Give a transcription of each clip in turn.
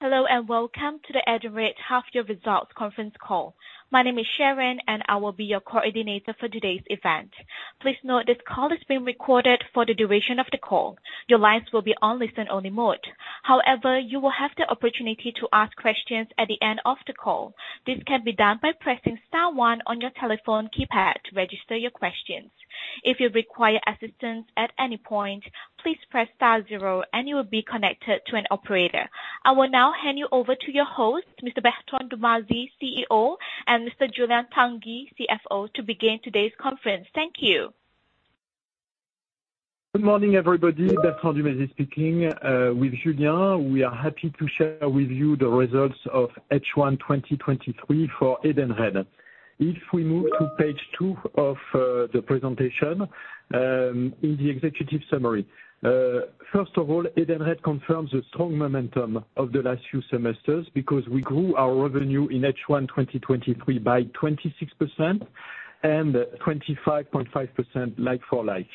Hello, and welcome to the Edenred Half Year Results conference call. My name is Sharon, and I will be your coordinator for today's event. Please note this call is being recorded for the duration of the call. Your lines will be on listen-only mode. However, you will have the opportunity to ask questions at the end of the call. This can be done by pressing star one on your telephone keypad to register your questions. If you require assistance at any point, please press star zero, and you will be connected to an operator. I will now hand you over to your host, Mr. Bertrand Dumazy, CEO, and Mr. Julien Tanguy, CFO, to begin today's conference. Thank you. Good morning, everybody. Bertrand Dumazy speaking with Julien. We are happy to share with you the results of H1 2023 for Edenred. If we move to Page 2 of the presentation, in the executive summary. First of all, Edenred confirms a strong momentum of the last few semesters because we grew our revenue in H1 2023 by 26% and 25.5% like for like.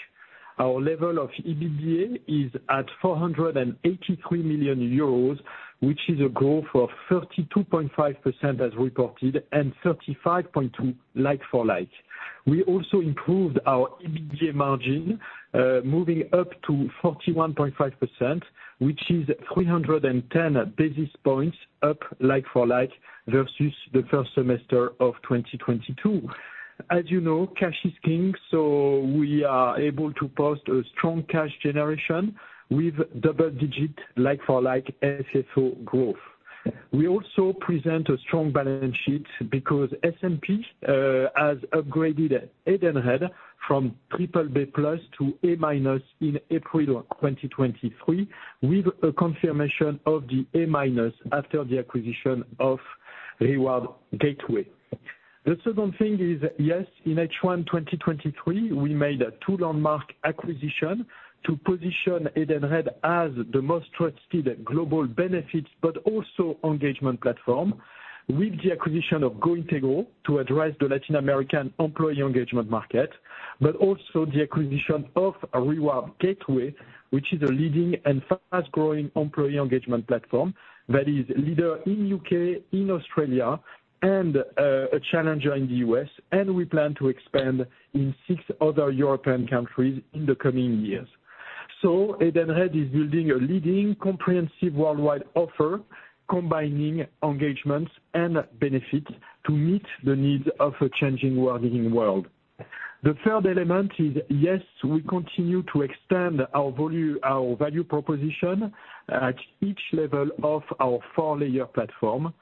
Our level of EBITDA is at 483 million euros, which is a growth of 32.5% as reported, and 35.2% like for like. We also improved our EBITDA margin, moving up to 41.5%, which is 310 basis points up like for like versus the 1st semester of 2022. As you know, cash is king, so we are able to post a strong cash generation with double-digit like-for-like FFO growth. We also present a strong balance sheet because S&P has upgraded Edenred from BBB+ to A- in April 2023, with a confirmation of the A- after the acquisition of Reward Gateway. The 2nd thing is, yes, in H1 2023, we made two landmark acquisition to position Edenred as the most trusted global benefits, but also engagement platform, with the acquisition of GOintegro to address the Latin American employee engagement market, but also the acquisition of Reward Gateway, which is a leading and fast-growing employee engagement platform that is leader in U.K., in Australia, and a challenger in the U.S.. We plan to expand in 6 other European countries in the coming years. Edenred is building a leading comprehensive worldwide offer, combining engagements and benefits to meet the needs of a changing working world. The 3rd element is, yes, we continue to extend our value proposition at each level of our four-layer platform.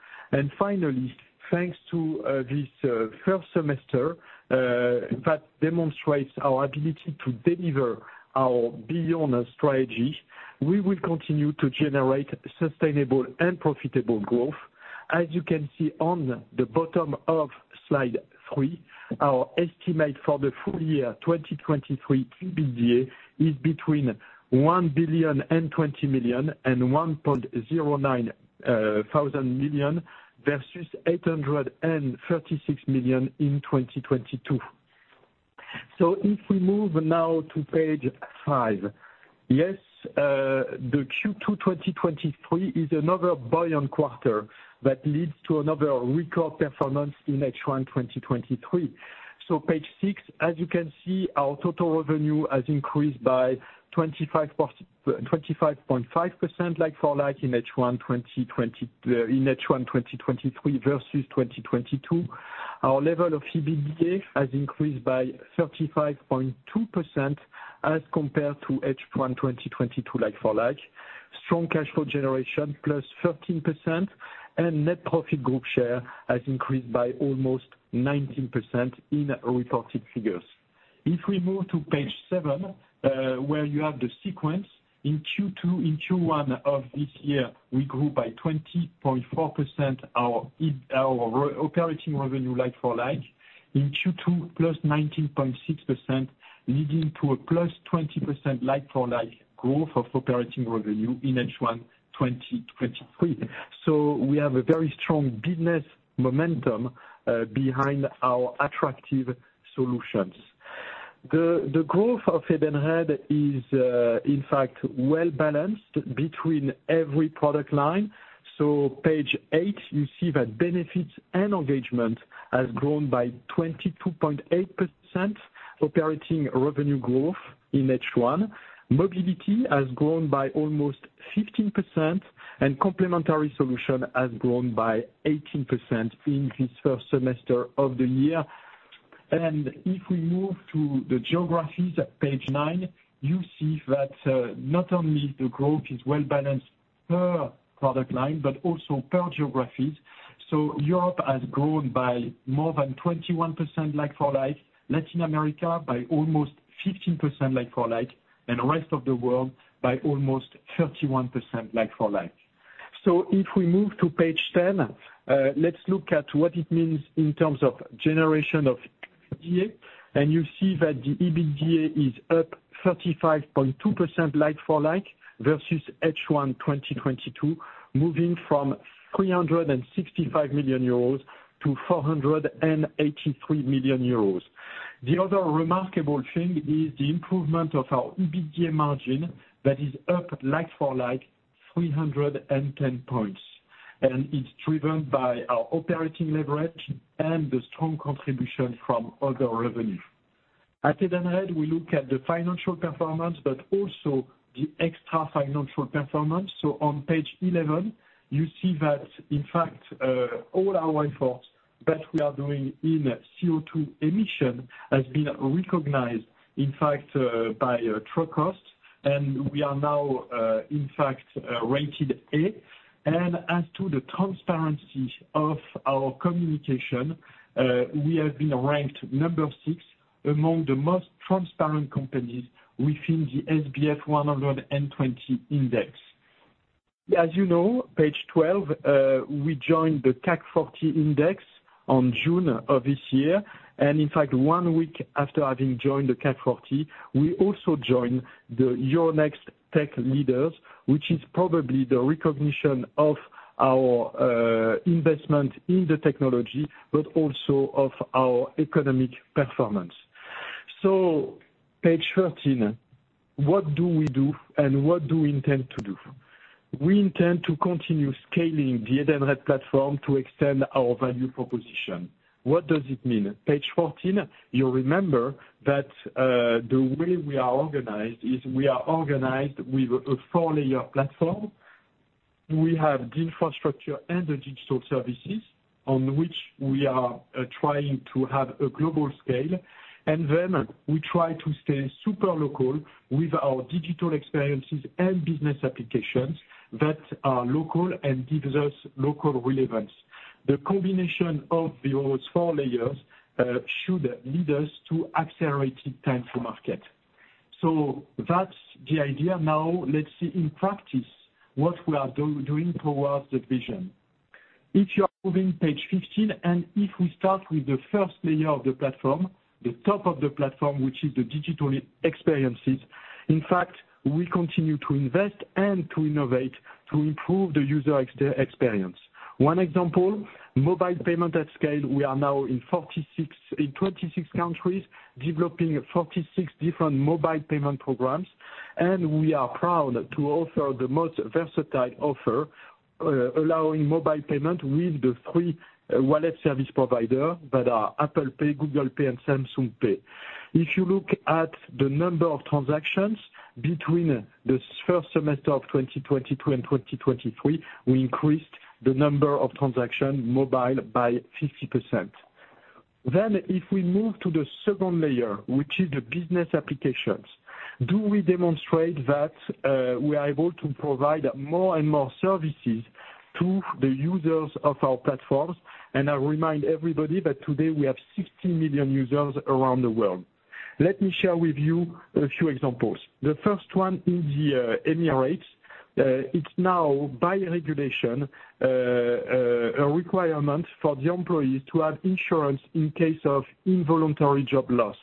Finally, thanks to this 1st semester that demonstrates our ability to deliver our beyond strategy, we will continue to generate sustainable and profitable growth. As you can see on the bottom of slide 3, our estimate for the full year 2023 EBITDA is between 1.02 billion and 1.09 billion, versus 836 million in 2022. If we move now to Page 5. Yes, the Q2 2023 is another buoyant quarter that leads to another record performance in H1 2023. Page 6, as you can see, our total revenue has increased by 25.5% like for like in H1 2023 versus 2022. Our level of EBITDA has increased by 35.2% as compared to H1 2022, like for like. Strong cash flow generation, +13%, and net profit group share has increased by almost 19% in reported figures. We move to Page 7, where you have the sequence, in Q1 of this year, we grew by 20.4% our operating revenue like for like. In Q2, +19.6%, leading to a +20% like for like growth of operating revenue in H1 2023. We have a very strong business momentum behind our attractive solutions. The growth of Edenred is, in fact, well-balanced between every product line. Page 8, you see that benefits and engagement has grown by 22.8%, operating revenue growth in H1. Mobility has grown by almost 15%, and complementary solution has grown by 18% in this 1st semester of the year. If we move to the geographies at Page 9, you see that not only the growth is well-balanced per product line, but also per geographies. Europe has grown by more than 21% like for like, Latin America by almost 15% like for like, and the rest of the world by almost 31% like for like. If we move to Page 10, let's look at what it means in terms of generation of EBITDA. You see that the EBITDA is up 35.2% like for like, versus H1 2022, moving from 365 million-483 million euros. The other remarkable thing is the improvement of our EBITDA margin, that is up like for like 310 points, It's driven by our operating leverage and the strong contribution from other revenue. At Edenred, we look at the financial performance, but also the extra financial performance. On Page 11, you see that in fact, all our efforts that we are doing in CO2 emission has been recognized, in fact, by Trucost, We are now, in fact, rated A. As to the transparency of our communication, we have been ranked number 6 among the most transparent companies within the SBF 120 Index. As you know, Page 12, we joined the CAC 40 Index on June of this year. In fact, one week after having joined the CAC 40, we also joined the Euronext Tech Leaders, which is probably the recognition of our investment in the technology, but also of our economic performance. Page 13, what do we do and what do we intend to do? We intend to continue scaling the Edenred platform to extend our value proposition. What does it mean? Page 14, you remember that the way we are organized is we are organized with a four-layer platform. We have the infrastructure and the digital services on which we are trying to have a global scale. Then we try to stay super local with our digital experiences and business applications that are local and gives us local relevance. The combination of those 4 layers should lead us to accelerated time to market. That's the idea. Now, let's see in practice, what we are doing towards the vision. If you are moving Page 15, if we start with the first layer of the platform, the top of the platform, which is the digital experiences. In fact, we continue to invest and to innovate to improve the user experience. 1 example, mobile payment at scale. We are now in 26 countries, developing 46 different mobile payment programs, we are proud to offer the most versatile offer, allowing mobile payment with the 3 wallet service provider, that are Apple Pay, Google Pay, and Samsung Pay. If you look at the number of transactions between the 1st semester of 2022 and 2023, we increased the number of transaction mobile by 50%. If we move to the 2nd layer, which is the business applications, do we demonstrate that we are able to provide more and more services to the users of our platforms? I remind everybody that today we have 60 million users around the world. Let me share with you a few examples. The 1st one in the Emirates. It's now by regulation, a requirement for the employee to have insurance in case of involuntary job loss.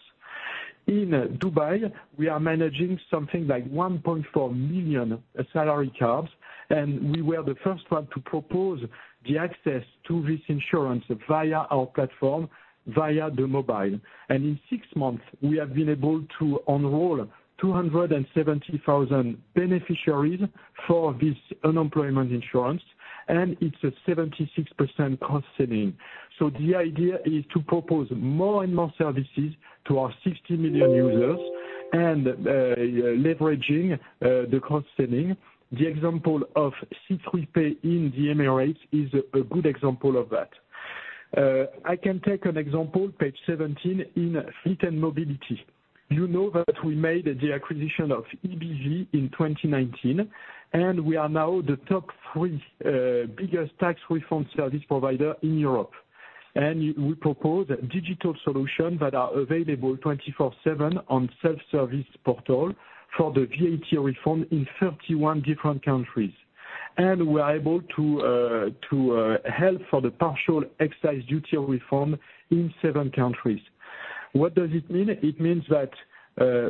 In Dubai, we are managing something like 1.4 million salary caps, and we were the 1st one to propose the access to this insurance via our platform, via the mobile. In six months, we have been able to enroll 270,000 beneficiaries for this unemployment insurance, and it's a 76% cost saving. The idea is to propose more and more services to our 60 million users and leveraging the cost saving. The example of C3Pay in the Emirates is a good example of that. I can take an example, Page 17, in fleet and mobility. You know that we made the acquisition of EBV in 2019, and we are now the top three biggest tax reform service provider in Europe. We propose digital solutions that are available 24/7 on self-service portal for the VAT reform in 31 different countries. We are able to help for the partial excise duty reform in 7 countries. What does it mean? It means that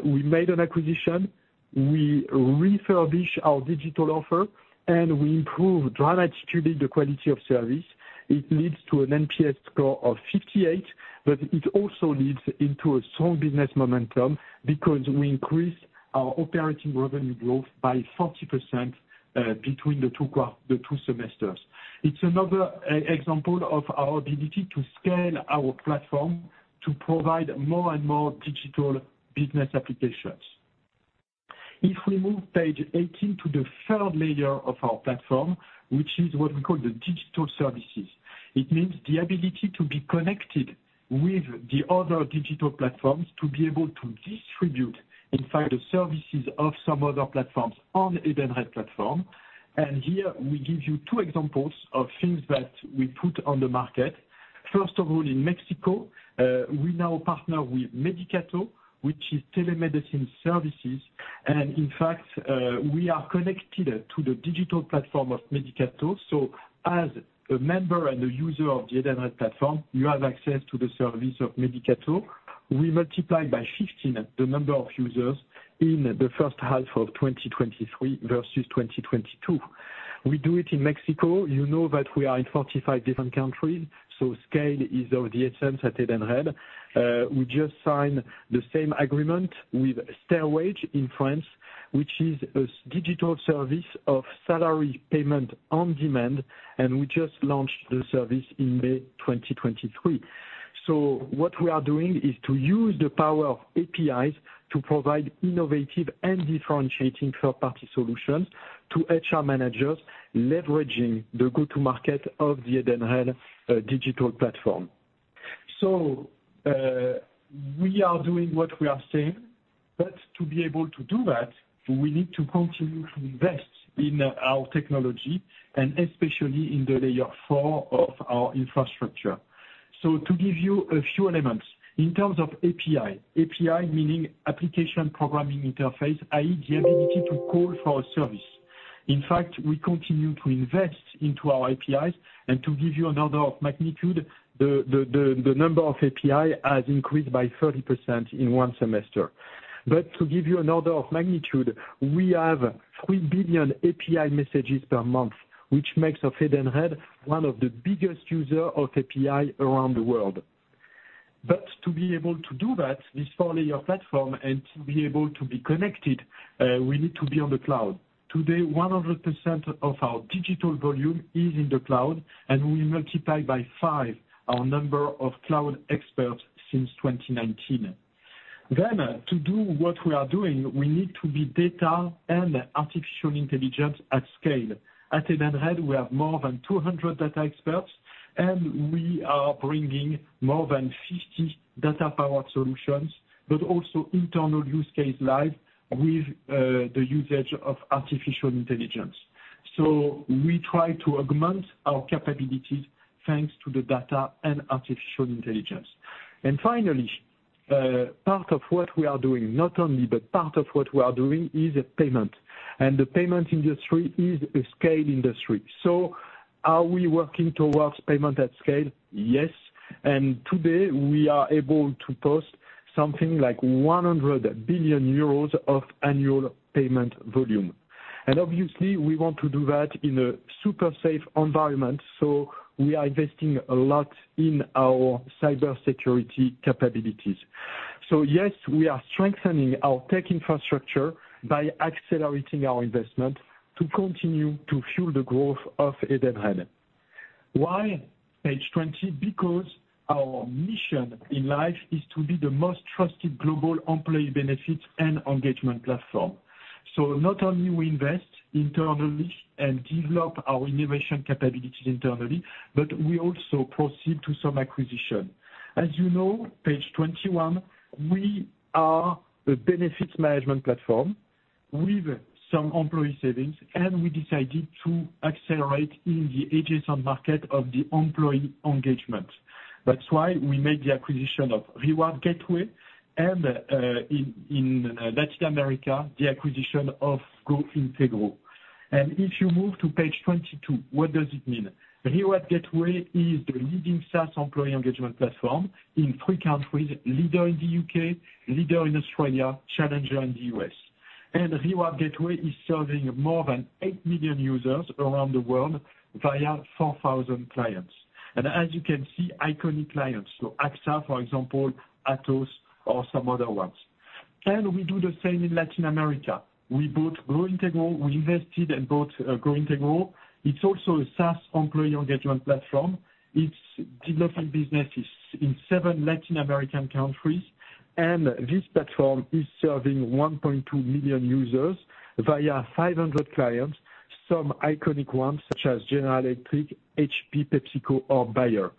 we made an acquisition, we refurbish our digital offer, and we improve dramatically the quality of service. It leads to an NPS score of 58, but it also leads into a strong business momentum because we increase our operating revenue growth by 40% between the two the two semesters. It's another example of our ability to scale our platform to provide more and more digital business applications. If we move Page 18 to the 3rd layer of our platform, which is what we call the digital services, it means the ability to be connected with the other digital platforms, to be able to distribute, in fact, the services of some other platforms on Edenred platform. Here we give you two examples of things that we put on the market. First of all, in Mexico, we now partner with Medicato, which is telemedicine services. In fact, we are connected to the digital platform of Medicato. As a member and a user of the Edenred platform, you have access to the service of Medicato. We multiply by 15 the number of users in 1st Half of 2023 versus 2022. We do it in Mexico. You know that we are in 45 different countries, scale is of the essence at Edenred. We just signed the same agreement with Stairway in France, which is a digital service of salary payment on demand, we just launched the service in May 2023. What we are doing is to use the power of APIs to provide innovative and differentiating 3rd-party solutions to HR managers, leveraging the go-to-market of the Edenred digital platform. We are doing what we are saying, but to be able to do that, we need to continue to invest in our technology and especially in the layer 4 of our infrastructure. To give you a few elements, in terms of API meaning application programming interface, i.e., the ability to call for a service. In fact, we continue to invest into our APIs, and to give you an order of magnitude, the number of API has increased by 30% in one semester. To give you an order of magnitude, we have 3 billion API messages per month, which makes of Edenred one of the biggest user of API around the world. To be able to do that, this 4-layer platform, and to be able to be connected, we need to be on the cloud. Today, 100% of our digital volume is in the cloud, we multiply by 5 our number of cloud experts since 2019. To do what we are doing, we need to be data and artificial intelligence at scale. At Edenred, we have more than 200 data experts, we are bringing more than 50 data-powered solutions, but also internal use case live with the usage of artificial intelligence. We try to augment our capabilities thanks to the data and artificial intelligence. Finally, part of what we are doing, not only, but part of what we are doing is payment. The payment industry is a scale industry. Are we working towards payment at scale? Yes, today we are able to post something like 100 billion euros of annual payment volume. Obviously, we want to do that in a super safe environment, so we are investing a lot in our cybersecurity capabilities. Yes, we are strengthening our tech infrastructure by accelerating our investment to continue to fuel the growth of Edenred. Why Page 20? Our mission in life is to be the most trusted global employee benefits and engagement platform. Not only we invest internally and develop our innovation capabilities internally, but we also proceed to some acquisition. As you know, Page 21, we are a benefits management platform with some employee savings, we decided to accelerate in the adjacent market of the employee engagement. That's why we made the acquisition of Reward Gateway and, in Latin America, the acquisition of GOintegro. If you move to Page 22, what does it mean? Reward Gateway is the leading SaaS employee engagement platform in three countries, leader in the U.K., leader in Australia, challenger in the U.S.. Reward Gateway is serving more than 8 million users around the world via 4,000 clients. As you can see, iconic clients, so AXA, for example, Atos or some other ones. We do the same in Latin America. We bought GOintegro. We invested and bought GOintegro. It's also a SaaS employee engagement platform. It's developing businesses in seven Latin American countries, and this platform is serving 1.2 million users via 500 clients, some iconic ones such as General Electric, HP, PepsiCo or Bayer.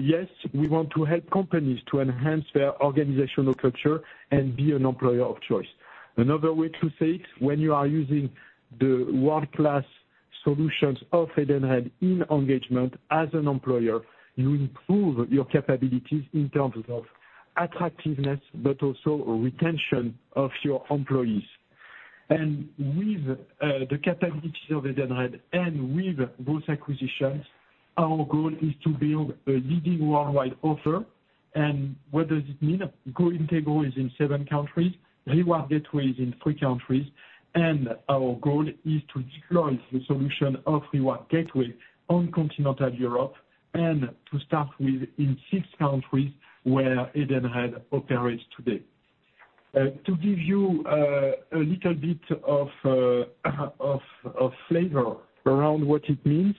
Yes, we want to help companies to enhance their organizational culture and be an employer of choice. Another way to say it, when you are using the world-class solutions of Edenred in engagement as an employer, you improve your capabilities in terms of attractiveness, but also retention of your employees. With the capabilities of Edenred and with those acquisitions, our goal is to build a leading worldwide offer. What does it mean? GOintegro is in 7 countries. Reward Gateway is in 3 countries, and our goal is to deploy the solution of Reward Gateway on continental Europe and to start with in 6 countries where Edenred operates today. To give you a little bit of flavor around what it means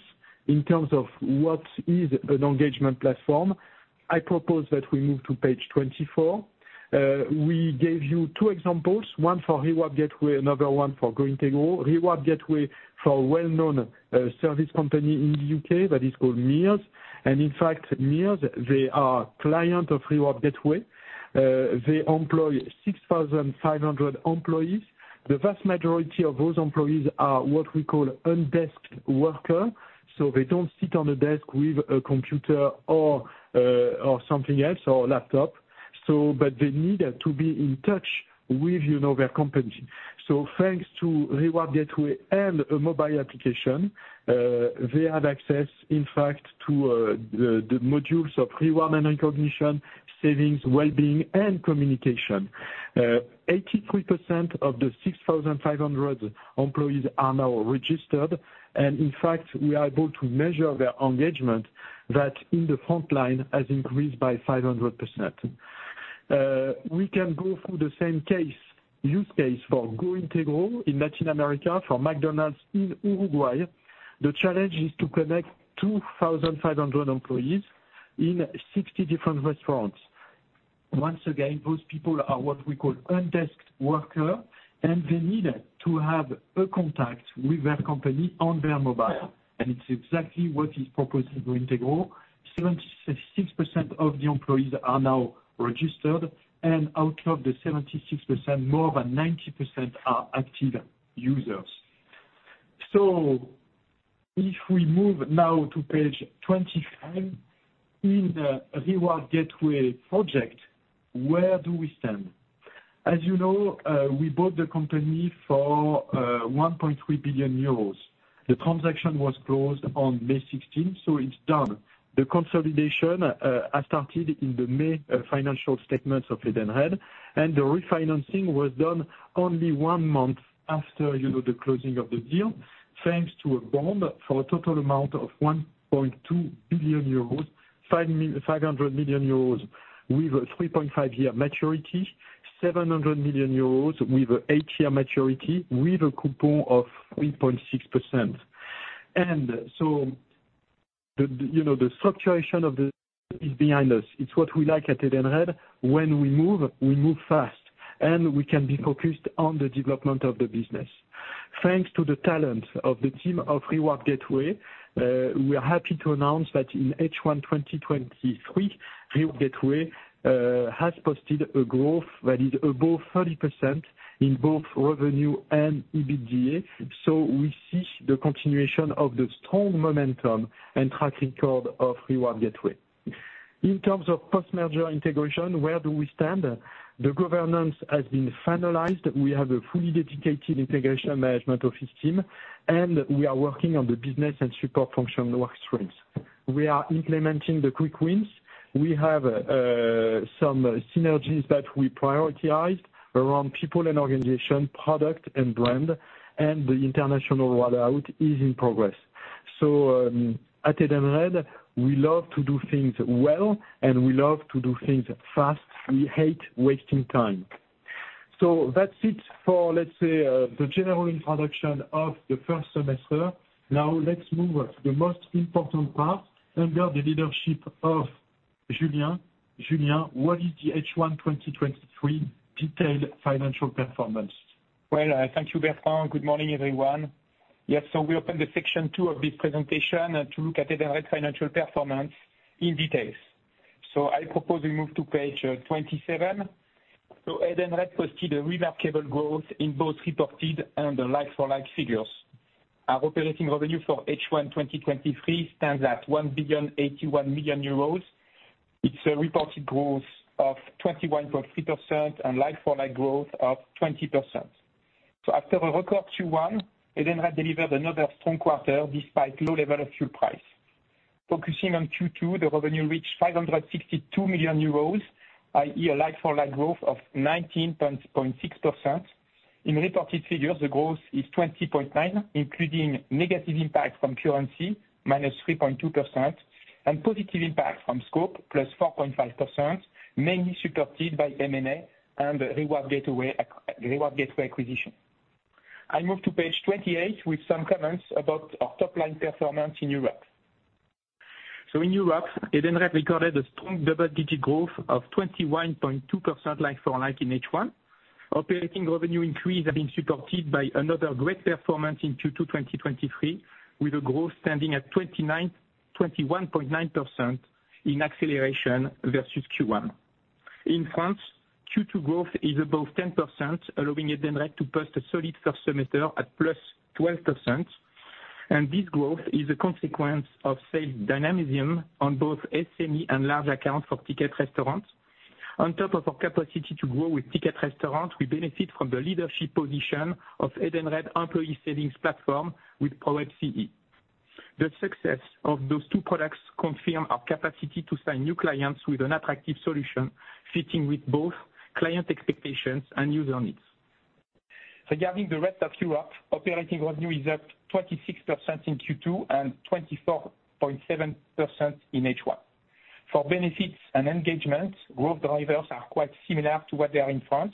in terms of what is an engagement platform, I propose that we move to Page 24. We gave you 2 examples, one for Reward Gateway, another one for GOintegro. Reward Gateway for a well-known service company in the U.K. that is called Mears. In fact, Mears, they are client of Reward Gateway. They employ 6,500 employees. The vast majority of those employees are what we call undesk worker. They don't sit on a desk with a computer or something else, or a laptop. But they need to be in touch with, you know, their company. Thanks to Reward Gateway and a mobile application, they have access, in fact, to the modules of reward and recognition, savings, well-being, and communication. Eighty-three percent of the 6,500 employees are now registered, and in fact, we are able to measure their engagement, that in the front line has increased by 500%. We can go through the same case, use case for GOintegro in Latin America, for McDonald's in Uruguay. The challenge is to connect 2,500 employees in 60 different restaurants. Once again, those people are what we call undesk worker, and they needed to have a contact with their company on their mobile, and it's exactly what is proposed to GOintegro. 76% of the employees are now registered, and out of the 76%, more than 90% are active users. If we move now to Page 25, in the Reward Gateway project, where do we stand? As you know, we bought the company for 1.3 billion euros. The transaction was closed on May 16th, so it's done. The consolidation has started in the May financial statements of Edenred, and the refinancing was done only one month after, you know, the closing of the deal, thanks to a bond for a total amount of 1.2 billion euros, 500 million euros with a 3.5-year maturity, 700 million euros with a 8-year maturity, with a coupon of 3.6%. The, you know, the structure of the is behind us. It's what we like at Edenred. When we move, we move fast, and we can be focused on the development of the business. Thanks to the talent of the team of Reward Gateway, we are happy to announce that in H1 2023, Reward Gateway has posted a growth that is above 30% in both revenue and EBITDA. We see the continuation of the strong momentum and track record of Reward Gateway. In terms of post-merger integration, where do we stand? The governance has been finalized. We have a fully dedicated integration management office team, and we are working on the business and support function work streams. We are implementing the quick wins. We have some synergies that we prioritized around people and organization, product and brand, and the international rollout is in progress. At Edenred, we love to do things well, and we love to do things fast. We hate wasting time. That's it for, let's say, the general introduction of the 1st semester. Now, let's move on to the most important part, under the leadership of Julien. Julien, what is the H1 2023 detailed financial performance? Well, thank you, Bertrand. Good morning, everyone. Yes, we open the section 2 of this presentation to look at Edenred financial performance in details. I propose we move to Page 27. Edenred posted a remarkable growth in both reported and like-for-like figures. Our operating revenue for H1 2023 stands at 1,081 million euros. It's a reported growth of 21.3% and like-for-like growth of 20%. After a record Q1, Edenred delivered another strong quarter, despite low level of fuel price. Focusing on Q2, the revenue reached 562 million euros, i.e., a like-for-like growth of 19.6%. In reported figures, the growth is 20.9%, including negative impact from currency, -3.2%, and positive impact from scope, +4.5%, mainly supported by M&A and Reward Gateway acquisition. I move to Page 28 with some comments about our top-line performance in Europe. In Europe, Edenred recorded a strong double-digit growth of 21.2% like-for-like in H1. Operating revenue increase have been supported by another great performance in Q2 2023, with a growth standing at 21.9% in acceleration versus Q1. In France, Q2 growth is above 10%, allowing Edenred to post a solid 1st semester at +12%, and this growth is a consequence of sales dynamism on both SME and large accounts for Ticket Restaurant. On top of our capacity to grow with Ticket Restaurant, we benefit from the leadership position of Edenred employee savings platform with ProwebCE. The success of those two products confirm our capacity to sign new clients with an attractive solution, fitting with both client expectations and user needs. Regarding the rest of Europe, operating revenue is up 26% in Q2 and 24.7% in H1. For benefits and engagement, growth drivers are quite similar to what they are in France.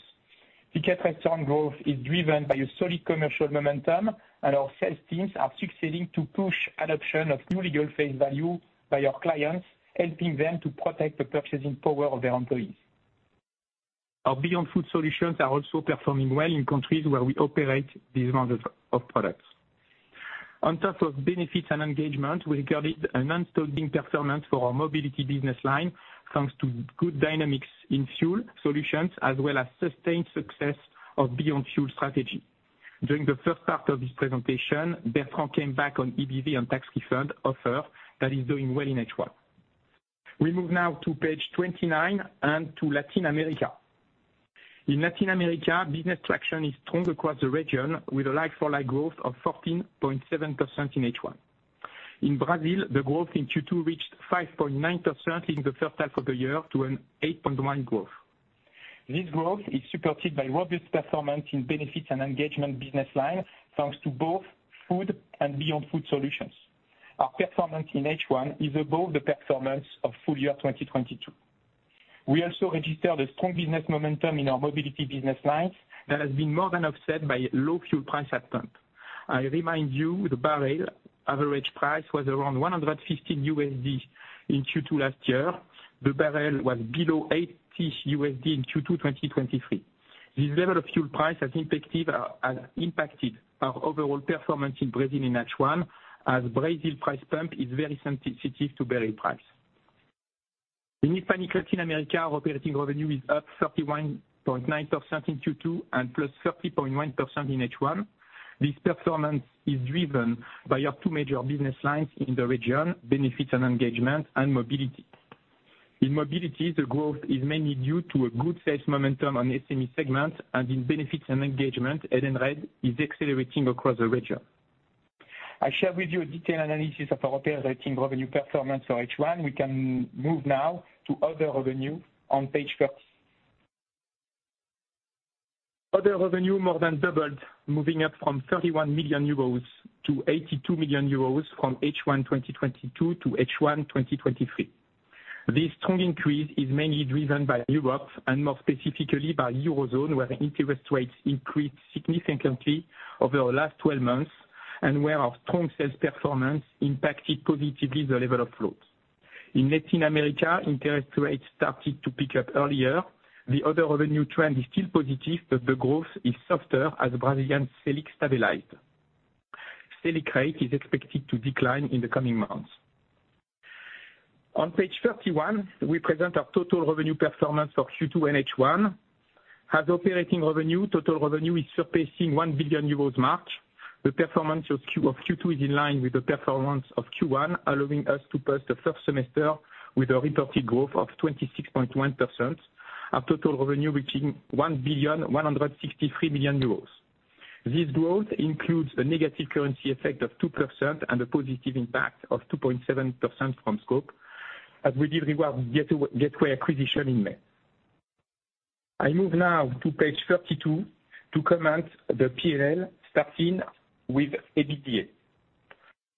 Ticket Restaurant growth is driven by a solid commercial momentum, and our sales teams are succeeding to push adoption of new legal face value by our clients, helping them to protect the purchasing power of their employees. Our Beyond Food solutions are also performing well in countries where we operate these model of products. On top of benefits and engagement, we recorded an outstanding performance for our mobility business line, thanks to good dynamics in fuel solutions, as well as sustained success of Beyond Fuel strategy. During the first part of this presentation, Bertrand came back on EBV and tax refund offer that is doing well in H1. We move now to Page 29 and to Latin America. In Latin America, business traction is strong across the region, with a like-for-like growth of 14.7% in H1. In Brazil, the growth in Q2 reached 5.9% in 1st Half of the year to an 8.1% growth. This growth is supported by robust performance in benefits and engagement business lines, thanks to both food and Beyond Food solutions. Our performance in H1 is above the performance of full year 2022. We also registered a strong business momentum in our mobility business lines that has been more than offset by low fuel price at pump. I remind you, the barrel average price was around $115 in Q2 last year. The barrel was below $80 in Q2 2023. This level of fuel price has impacted our overall performance in Brazil in H1, as Brazil price pump is very sensitive to barrel price. In Hispanic Latin America, operating revenue is up 31.9% in Q2 and +30.1% in H1. This performance is driven by our two major business lines in the region, benefits and engagement, and mobility. In mobility, the growth is mainly due to a good sales momentum on SME segment, and in benefits and engagement, Edenred is accelerating across the region. I share with you a detailed analysis of our operating revenue performance for H1. We can move now to other revenue on Page 30. Other revenue more than doubled, moving up from 31 million euros-EUR82 million from H1 2022-H1 2023. This strong increase is mainly driven by Europe, and more specifically by Eurozone, where interest rates increased significantly over the last 12 months, and where our strong sales performance impacted positively the level of growth. In Latin America, interest rates started to pick up earlier. The other revenue trend is still positive, but the growth is softer as Brazilian SELIC stabilized. SELIC rate is expected to decline in the coming months. On Page 31, we present our total revenue performance for Q2 and H1. As operating revenue, total revenue is surpassing 1 billion euros mark. The performance of Q2 is in line with the performance of Q1, allowing us to pass the 1st semester with a reported growth of 26.1%. Our total revenue reaching 1,163 million euros. This growth includes a negative currency effect of 2% and a positive impact of 2.7% from scope, as we did Reward Gateway acquisition in May. I move now to Page 32 to comment the PNL, starting with EBITDA.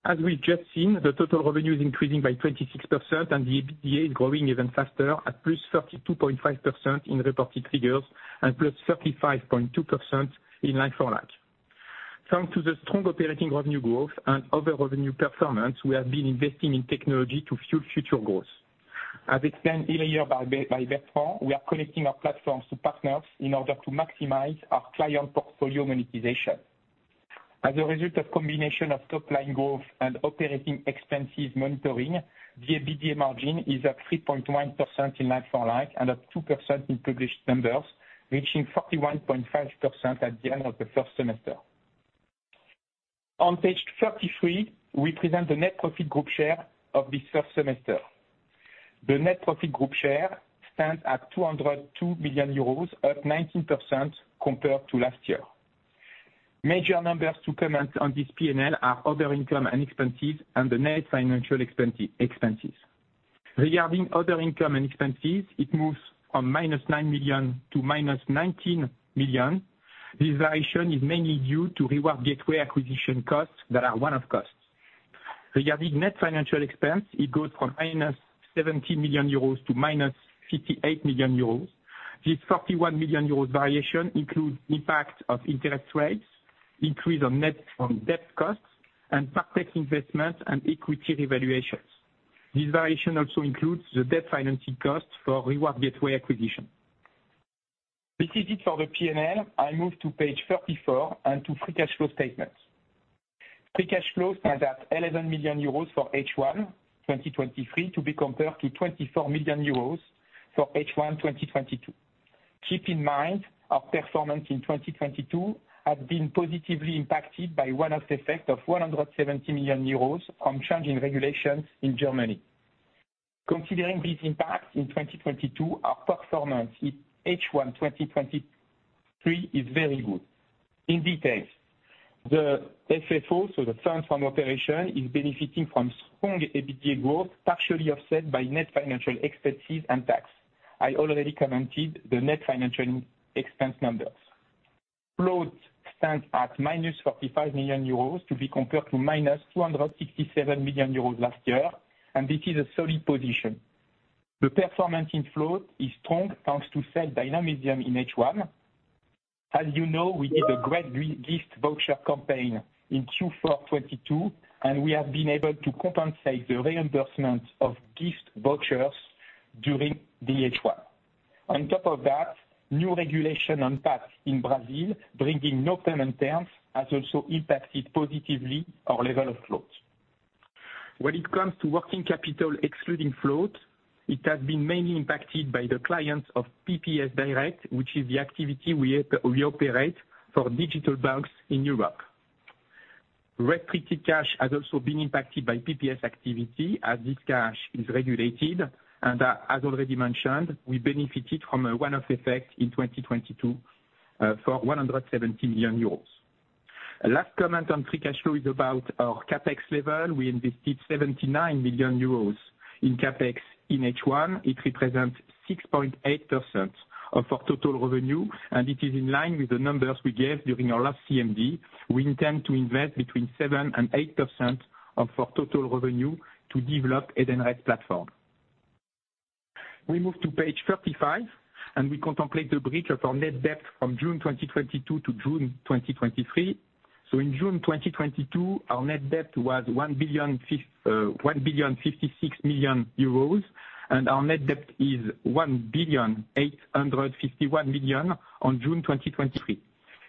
As we've just seen, the total revenue is increasing by 26%, and the EBITDA is growing even faster at +32.5% in reported figures and +35.2% in like-for-like. Thanks to the strong operating revenue growth and other revenue performance, we have been investing in technology to fuel future growth. As explained earlier by Bertrand, we are connecting our platforms to partners in order to maximize our client portfolio monetization. As a result of combination of top line growth and operating expenses monitoring, the EBITDA margin is at 3.1% in like-for-like and at 2% in published numbers, reaching 41.5% at the end of the 1st semester. On Page 33, we present the net profit group share of this 1st semester. The net profit group share stands at 202 million euros, up 19% compared to last year. Major numbers to comment on this PNL are other income and expenses and the net financial expenses. Regarding other income and expenses, it moves from -9 million--19 million. This variation is mainly due to Reward Gateway acquisition costs that are one-off costs. Regarding net financial expense, it goes from -70 million--58 million euros. This 41 million euros variation includes impact of interest rates, increase on net from debt costs, and perfect investments and equity revaluations. This variation also includes the debt financing costs for Reward Gateway acquisition. This is it for the PNL. I move to Page 34 and to free cash flow statements. Free cash flow stands at 11 million euros for H1 2023, to be compared to 24 million euros for H1 2022. Keep in mind, our performance in 2022 has been positively impacted by one of the effects of 170 million euros from changing regulations in Germany. Considering these impacts in 2022, our performance in H1 2023 is very good. In details, the FFO, so the funds from operation, is benefiting from strong EBITDA growth, partially offset by net financial expenses and tax. I already commented the net financial expense numbers. Flows stand at minus 45 million euros to be compared to minus 267 million euros last year, This is a solid position. The performance in flow is strong, thanks to sell dynamism in H1. As you know, we did a great gift voucher campaign in Q4 2022, We have been able to compensate the reimbursement of gift vouchers during the H1. On top of that, new regulation on pack in Brazil, bringing no payment terms, has also impacted positively our level of growth. When it comes to working capital, excluding float, it has been mainly impacted by the clients of PPS Direct, which is the activity we operate for digital banks in Europe. Restricted cash has also been impacted by PPS activity, as this cash is regulated and as already mentioned, we benefited from a one-off effect in 2022, for 170 million euros. A last comment on free cash flow is about our CapEx level. We invested 79 million euros in CapEx in H1. It represents 6.8% of our total revenue, and it is in line with the numbers we gave during our last CMD. We intend to invest between 7% and 8% of our total revenue to develop Edenred's platform. We move to Page 35, we contemplate the bridge of our net debt from June 2022 to June 2023. In June 2022, our net debt was 1,056 million euros, our net debt is 1,851 million on June 2023.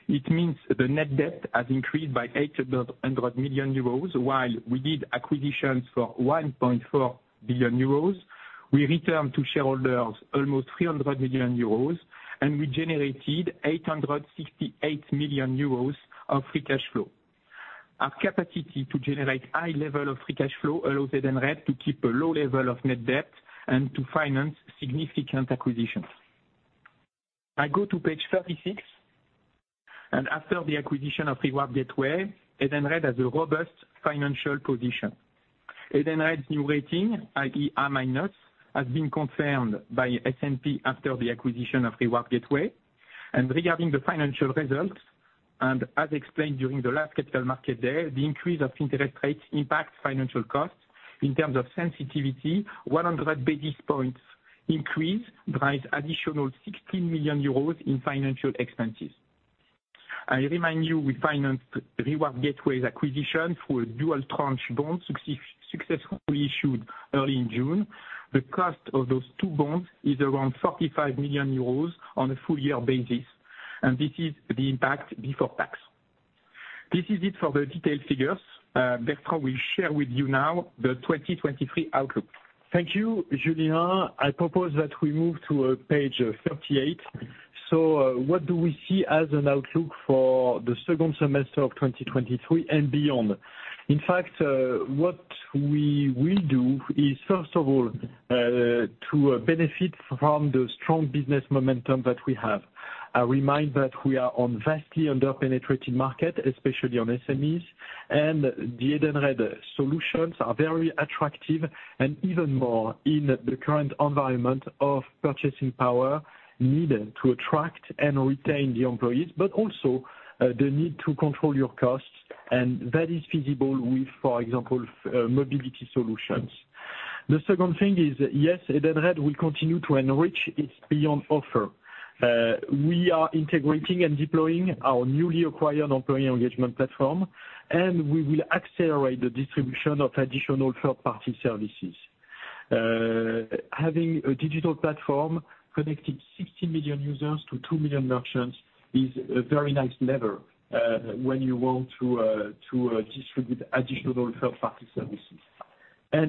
It means the net debt has increased by 800 million euros. While we did acquisitions for 1.4 billion euros, we returned to shareholders almost 300 million euros, we generated 868 million euros of free cash flow. Our capacity to generate high level of free cash flow allows Edenred to keep a low level of net debt and to finance significant acquisitions. I go to Page 36, after the acquisition of Reward Gateway, Edenred has a robust financial position. Edenred's new rating, i.e., A-, has been confirmed by S&P after the acquisition of Reward Gateway. Regarding the financial results, as explained during the last Capital Markets Day, the increase of interest rates impacts financial costs. In terms of sensitivity, 100 basis points increase drives additional 16 million euros in financial expenses. I remind you, we financed Reward Gateway's acquisition through a dual tranche bond success, successfully issued early in June. The cost of those two bonds is around 45 million euros on a full year basis, this is the impact before tax. This is it for the detailed figures. Bertrand will share with you now the 2023 outlook. Thank you, Julien. I propose that we move to Page 38. What do we see as an outlook for the 2nd semester of 2023 and beyond? In fact, what we will do is, first of all, to benefit from the strong business momentum that we have. I remind that we are on vastly under-penetrated market, especially on SMEs, and the Edenred solutions are very attractive, and even more in the current environment of purchasing power needed to attract and retain the employees. Also, the need to control your costs, and that is feasible with, for example, mobility solutions. The 2nd thing is, yes, Edenred will continue to enrich its beyond offer. We are integrating and deploying our newly acquired employee engagement platform, and we will accelerate the distribution of additional 3rd-party services. Having a digital platform connecting 60 million users to 2 million merchants is a very nice lever when you want to distribute additional 3rd-party services.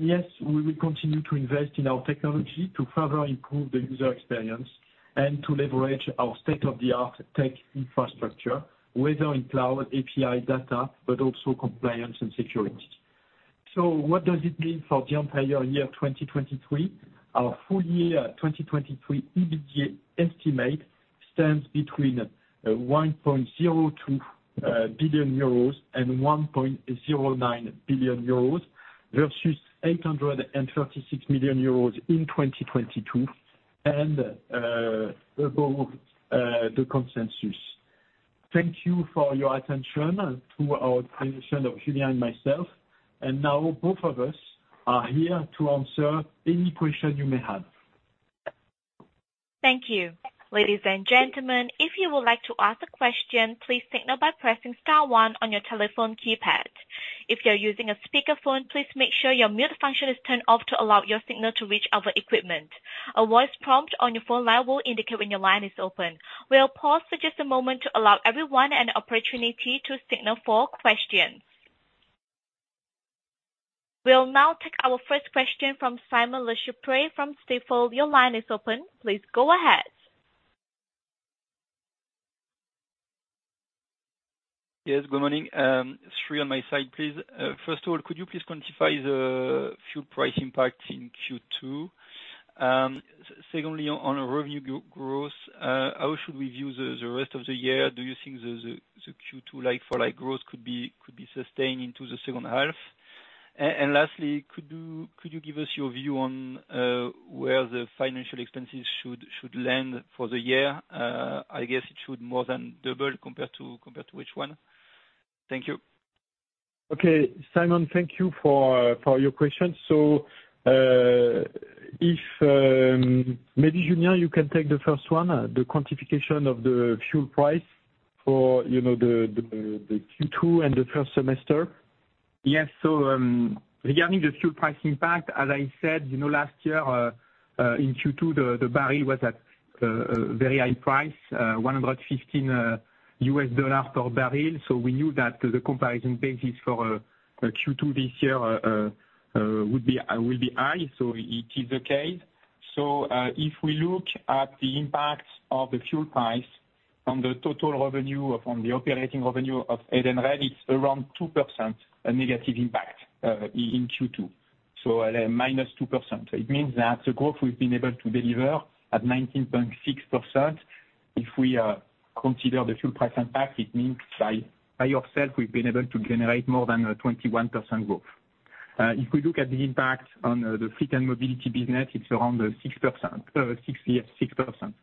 Yes, we will continue to invest in our technology to further improve the user experience and to leverage our state-of-the-art tech infrastructure, whether in cloud, API data, but also compliance and security. What does it mean for the entire year of 2023? Our full year 2023 EBITDA estimate stands between 1.02 billion euros and 1.09 billion euros, versus 836 million euros in 2022, and above the consensus. Thank you for your attention and to our presentation of Julien and myself. Now both of us are here to answer any question you may have. Thank you. Ladies and gentlemen, if you would like to ask a question, please signal by pressing star one on your telephone keypad. If you're using a speakerphone, please make sure your mute function is turned off to allow your signal to reach our equipment. A voice prompt on your phone line will indicate when your line is open. We'll pause for just a moment to allow everyone an opportunity to signal for questions. We'll now take our first question from Simon Lechipre from Stifel. Your line is open, please go ahead. Yes, good morning. Three on my side, please. First of all, could you please quantify the fuel price impact in Q2? Secondly, on revenue growth, how should we view the rest of the year? Do you think the Q2 like-for-like growth could be sustained into the 2nd Half? Lastly, could you give us your view on where the financial expenses should land for the year? I guess it should more than double compared to H1. Thank you. Okay, Simon, thank you for your questions. If, maybe, Julien, you can take the 1st one, the quantification of the fuel price for, you know, the Q2 and the 1st semester. Yes. Regarding the fuel price impact, as I said, you know, last year in Q2, the barrel was at a very high price, 115 U.S.D per barrel. We knew that the comparison basis for Q2 this year will be high. It is the case. If we look at the impact of the fuel price on the total revenue, or from the operating revenue of Edenred, it's around 2% a negative impact in Q2. At a -2%, it means that the growth we've been able to deliver at 19.6%, if we consider the fuel price impact, it means by yourself, we've been able to generate more than a 21% growth. If we look at the impact on the fleet and mobility business, it's around 6%. 66%.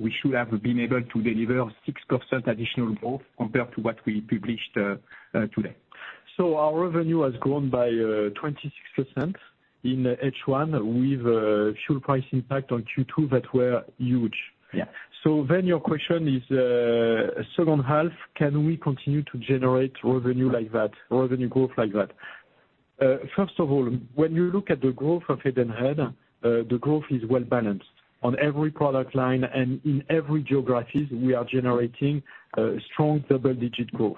we should have been able to deliver 6% additional growth compared to what we published today. Our revenue has grown by 26% in H1, with fuel price impact on Q2 that were huge. Yeah. Your question is, 2nd Half, can we continue to generate revenue like that, revenue growth like that? First of all, when you look at the growth of Edenred, the growth is well balanced. On every product line and in every geographies, we are generating strong double-digit growth.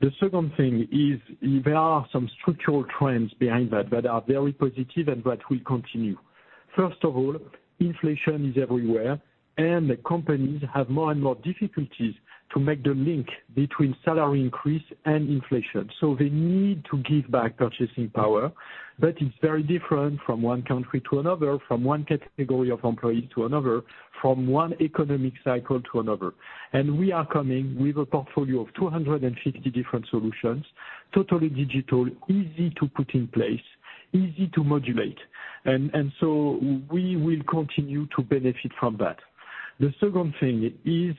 The 2nd thing is there are some structural trends behind that are very positive and that will continue. First of all, inflation is everywhere, and the companies have more and more difficulties to make the link between salary increase and inflation. They need to give back purchasing power. It's very different from one country to another, from one category of employees to another, from one economic cycle to another. We are coming with a portfolio of 250 different solutions, totally digital, easy to put in place, easy to modulate, and so we will continue to benefit from that. The 2nd thing is,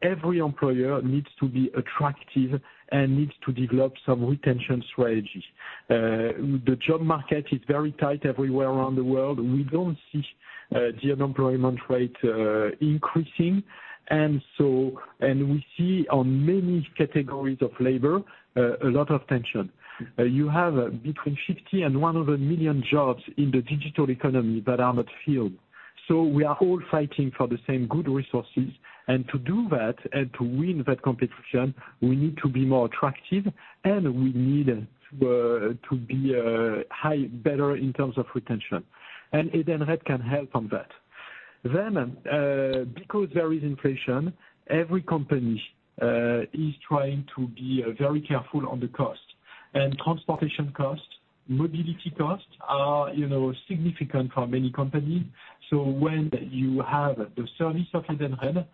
every employer needs to be attractive and needs to develop some retention strategy. The job market is very tight everywhere around the world. We don't see the unemployment rate increasing, and we see on many categories of labor a lot of tension. You have between 50 million and 100 million jobs in the digital economy that are not filled. We are all fighting for the same good resources, and to do that and to win that competition, we need to be more attractive, and we need to be high, better in terms of retention, and Edenred can help on that. Because there is inflation, every company is trying to be very careful on the cost. Transportation costs, mobility costs, are, you know, significant for many companies. When you have the service of Edenred,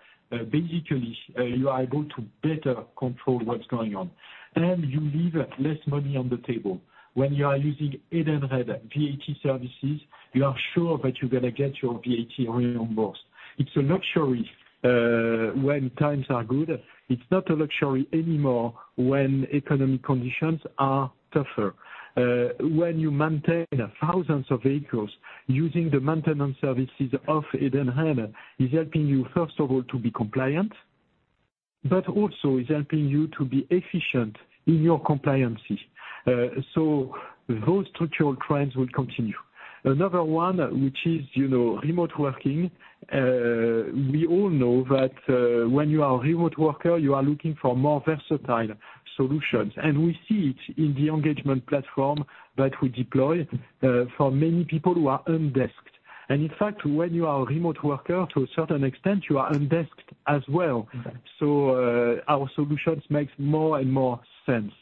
basically, you are able to better control what's going on, and you leave less money on the table. When you are using Edenred VAT services, you are sure that you're gonna get your VAT reimbursed. It's a luxury when times are good. It's not a luxury anymore when economic conditions are tougher. When you maintain thousands of vehicles, using the maintenance services of Edenred is helping you, first of all, to be compliant, but also is helping you to be efficient in your compliancy. Those structural trends will continue. Another one, which is, you know, remote working, we all know that, when you are a remote worker, you are looking for more versatile solutions. We see it in the engagement platform that we deploy, for many people who are un-desked. In fact, when you are a remote worker, to a certain extent, you are un-desked as well. Our solutions makes more and more sense.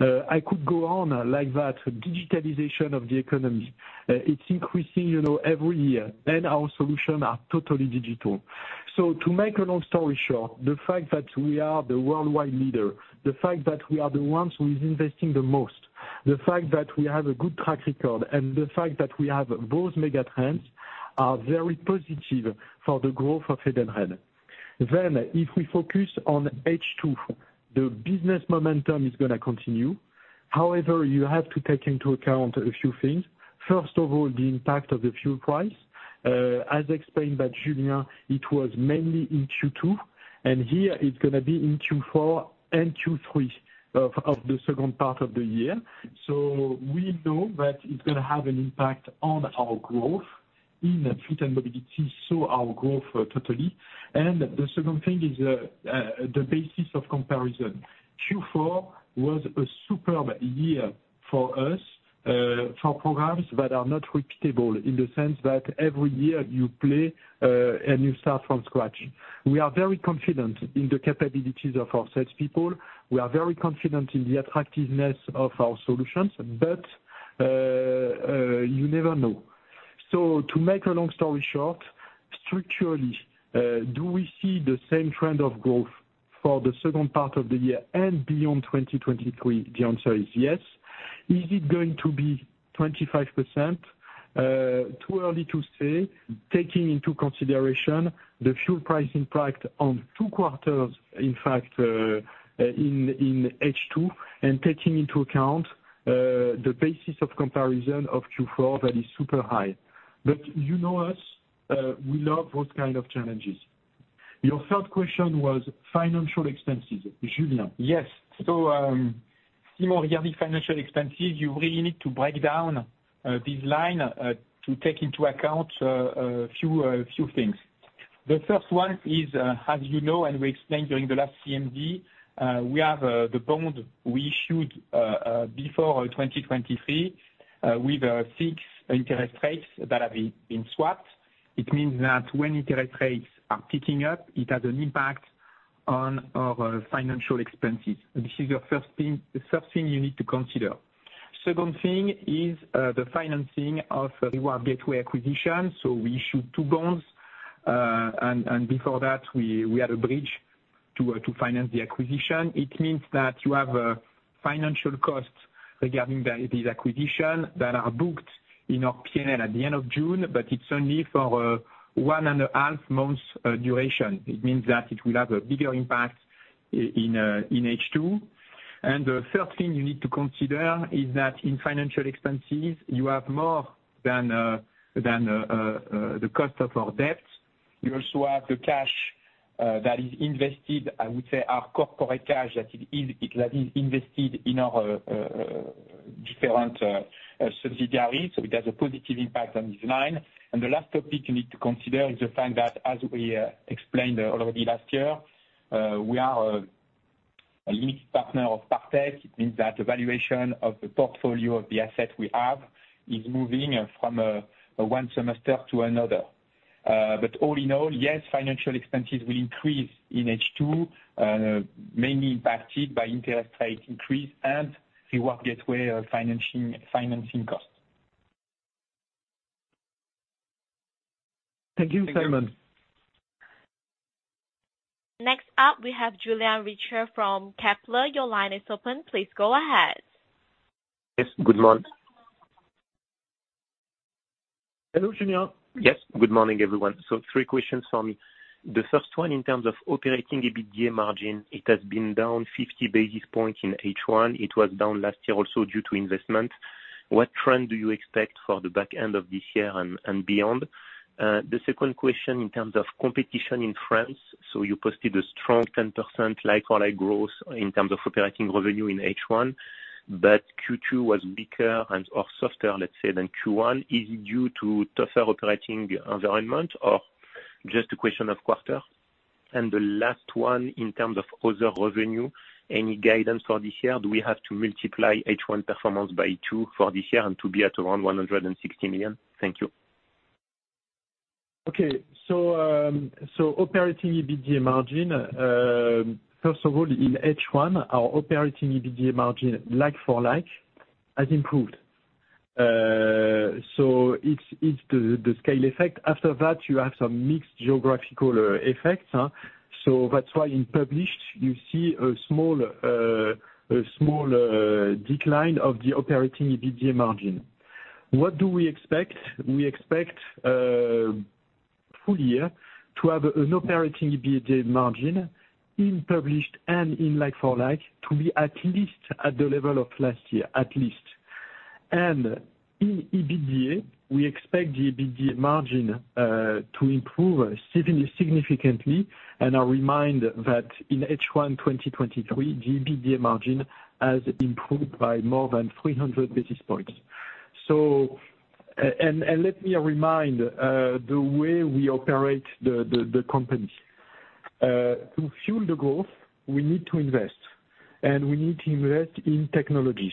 I could go on like that. Digitalization of the economy, it's increasing, you know, every year, and our solutions are totally digital. To make a long story short, the fact that we are the worldwide leader, the fact that we are the ones who is investing the most, the fact that we have a good track record, and the fact that we have those mega trends, are very positive for the growth of Edenred. If we focus on H2, the business momentum is gonna continue. However, you have to take into account a few things. First of all, the impact of the fuel price. As explained by Julien, it was mainly in Q2, and here it's gonna be in Q4 and Q3 of the 2nd part of the year. We know that it's gonna have an impact on our growth in fleet and mobility, so our growth totally. The 2nd thing is the basis of comparison. Q4 was a superb year for us, for programs that are not repeatable, in the sense that every year you play and you start from scratch. We are very confident in the capabilities of our salespeople. We are very confident in the attractiveness of our solutions, but you never know. To make a long story short, structurally, do we see the same trend of growth for the 2nd part of the year and beyond 2023? The answer is yes. Is it going to be 25%? Too early to say, taking into consideration the fuel price impact on 2 quarters, in fact, in H2, and taking into account the basis of comparison of Q4, that is super high. You know us, we love those kind of challenges. Your 3rd question was financial expenses. Julien? Yes. Regarding financial expenses, you really need to break down this line to take into account a few things. The 1st one is, as you know, and we explained during the last CMD, we have the bond we issued before 2023 with fixed interest rates that have been swapped. It means that when interest rates are picking up, it has an impact. on our financial expenses. This is the 1st thing you need to consider. Second thing is the financing of the Reward Gateway acquisition. We issued 2 bonds and before that, we had a bridge to finance the acquisition. It means that you have a financial cost regarding this acquisition that are booked in our P&L at the end of June, but it's only for one and a half months duration. It means that it will have a bigger impact in H2. The 3rd thing you need to consider is that in financial expenses, you have more than the cost of our debt. You also have the cash that is invested, I would say, our corporate cash, that is invested in our different subsidiaries. It has a positive impact on this line. The last topic you need to consider is the fact that, as we explained already last year, we are a limited partner of Partech. It means that the valuation of the portfolio of the assets we have is moving from one semester to another. All in all, yes, financial expenses will increase in H2, mainly impacted by interest rate increase and the Reward Gateway financing cost. Thank you, Simon. Next up, we have Julien Richer from Kepler. Your line is open. Please go ahead. Yes, good morning. Hello, Julien. Yes, good morning, everyone. 3 questions for me. The 1st one, in terms of operating EBITDA margin, it has been down 50 basis points in H1. It was down last year also due to investment. What trend do you expect for the back end of this year and beyond? The 2nd question in terms of competition in France, you posted a strong 10% like-for-like growth in terms of operating revenue in H1, but Q2 was weaker and or softer, let's say, than Q1. Is it due to tougher operating environment or just a question of quarter? The last one, in terms of other revenue, any guidance for this year, do we have to multiply H1 performance by 2 for this year and to be at around 160 million? Thank you. Operating EBITDA margin, first of all, in H1, our operating EBITDA margin, like for like, has improved. It's the scale effect. After that, you have some mixed geographical effects, huh? That's why in published you see a small decline of the operating EBITDA margin. What do we expect? We expect full year to have an operating EBITDA margin in published and in like for like, to be at least at the level of last year, at least. In EBITDA, we expect the EBITDA margin to improve significantly. I remind that in H1 2023, the EBITDA margin has improved by more than 300 basis points. Let me remind the way we operate the company. To fuel the growth, we need to invest, we need to invest in technologies.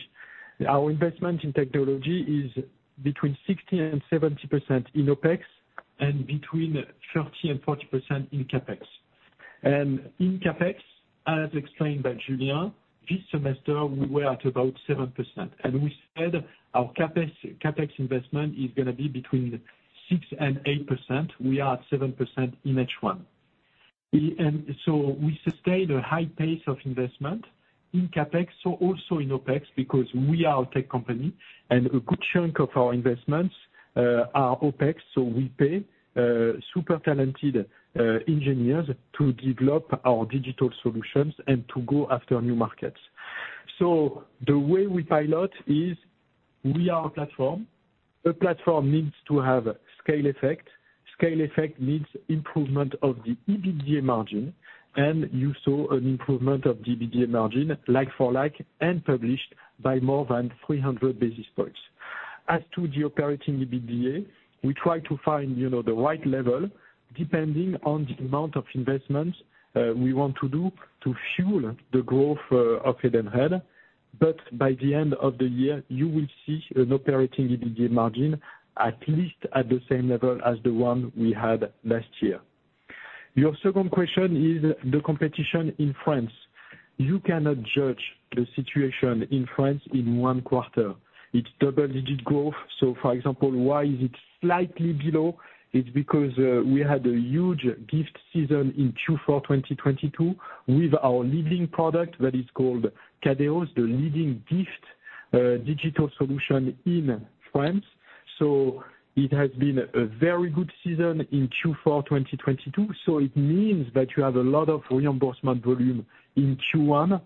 Our investment in technology is between 60% and 70% in OpEx and between 30% and 40% in CapEx. In CapEx, as explained by Julien, this semester we were at about 7%, we said our CapEx investment is gonna be between 6% and 8%. We are at 7% in H1. We sustained a high pace of investment in CapEx, so also in OpEx, because we are a tech company, a good chunk of our investments are OpEx. We pay super talented engineers to develop our digital solutions and to go after new markets. The way we pilot is we are a platform. A platform needs to have scale effect. Scale effect needs improvement of the EBITDA margin. You saw an improvement of the EBITDA margin, like for like, and published by more than 300 basis points. As to the operating EBITDA, we try to find, you know, the right level, depending on the amount of investments we want to do to fuel the growth of Head & Head. By the end of the year, you will see an operating EBITDA margin, at least at the same level as the one we had last year. Your 2nd question is the competition in France. You cannot judge the situation in France in 1 quarter. It's double-digit growth. For example, why is it slightly below? It's because we had a huge gift season in Q4 2022, with our leading product that is called Kadéos, the leading gift digital solution in France. It has been a very good season in Q4 2022. It means that you have a lot of reimbursement volume in Q1.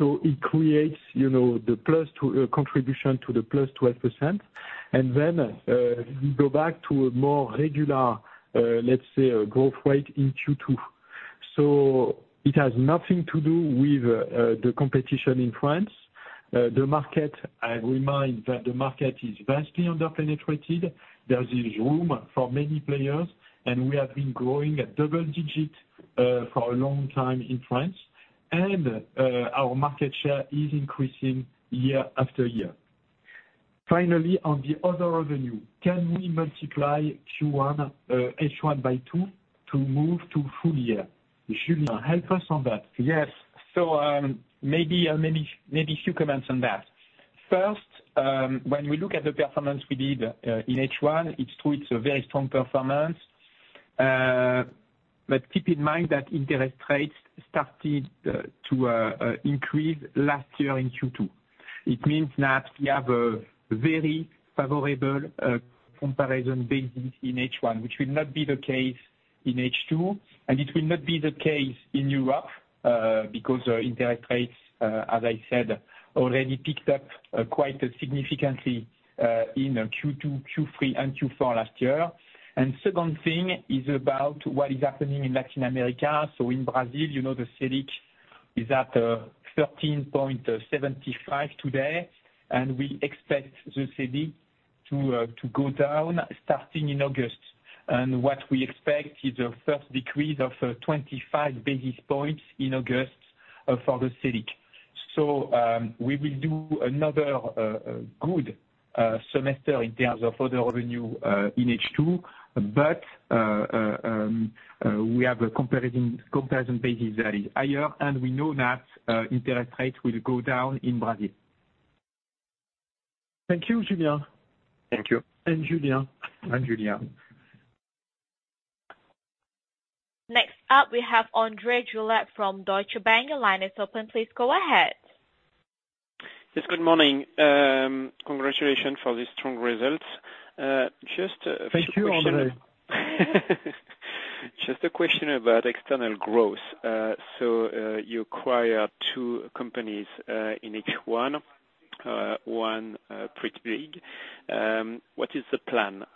It creates, you know, contribution to the +12%. We go back to a more regular, let's say, growth rate in Q2. It has nothing to do with the competition in France. The market, I remind that the market is vastly under-penetrated. There is room for many players, and we have been growing at double digit for a long time in France, and our market share is increasing year after year. Finally, on the other revenue, can we multiply Q1, H1 by 2 to move to full year? Julien, help us on that. Yes. Maybe a few comments on that. First, when we look at the performance we did in H1, it's true, it's a very strong performance. Keep in mind that interest rates started to increase last year in Q2. It means that we have a very favorable comparison basis in H1, which will not be the case in H2, and it will not be the case in Europe, because interest rates, as I said, already picked up quite significantly in Q2, Q3, and Q4 last year. Second thing is about what is happening in Latin America. In Brazil, you know, the Selic is at 13.75% today, and we expect the Selic to go down starting in August. What we expect is a 1stt decrease of 25 basis points in August for the Selic. We will do another good semester in terms of other revenue in H2, but we have a comparison basis that is higher, and we know that interest rates will go down in Brazil. Thank you, Julien. Thank you. Julien. Julien. Next up, we have André Juillard from Deutsche Bank. Your line is open, please go ahead. Yes, good morning. Congratulations for the strong results. Just a few question- Thank you, André. Just a question about external growth. You acquired two companies in H1, one pretty big. What is the plan?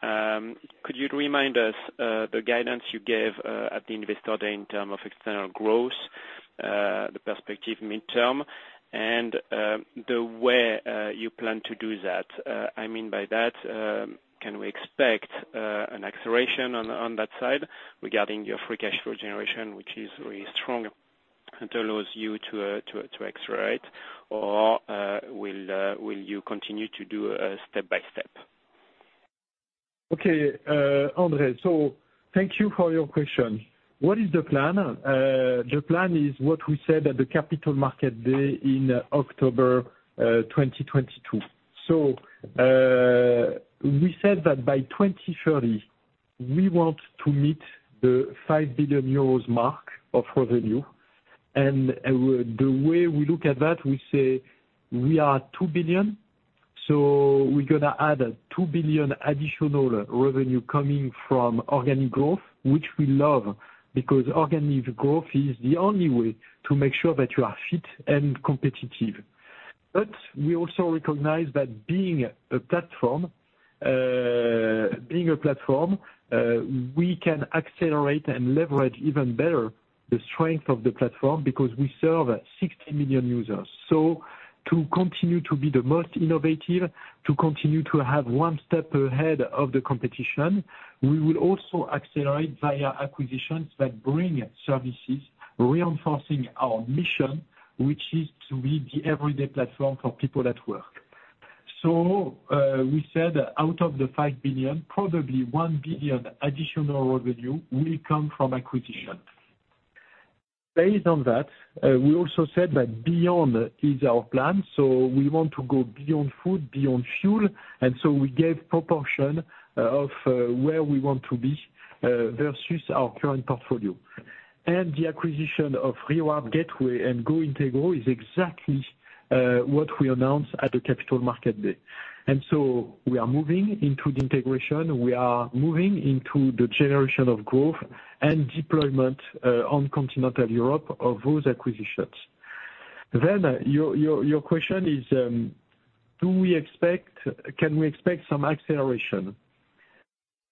Could you remind us the guidance you gave at the investor day in terms of external growth, the perspective midterm, and the way you plan to do that? I mean by that, can we expect an acceleration on that side regarding your free cash flow generation, which is really strong, and allows you to accelerate, or will you continue to do step by step? Okay, André, thank you for your question. What is the plan? The plan is what we said at the Capital Markets Day in October 2022. We said that by 2030, we want to meet the 5 billion euros mark of revenue. The way we look at that, we say we are 2 billion, we're gonna add a 2 billion additional revenue coming from organic growth, which we love, because organic growth is the only way to make sure that you are fit and competitive. We also recognize that being a platform, we can accelerate and leverage even better the strength of the platform, because we serve 60 million users. To continue to be the most innovative, to continue to have one step ahead of the competition, we will also accelerate via acquisitions that bring services, reinforcing our mission, which is to be the everyday platform for people at work. We said out of the 5 billion, probably 1 billion additional revenue will come from acquisitions. Based on that, we also said that Beyond is our plan, we want to go Beyond Food, Beyond Fuel, we gave proportion of where we want to be versus our current portfolio. The acquisition of Reward Gateway and Go Intego is exactly what we announced at the Capital Markets Day. We are moving into the integration, we are moving into the generation of growth and deployment on continental Europe of those acquisitions. Your question is, Can we expect some acceleration?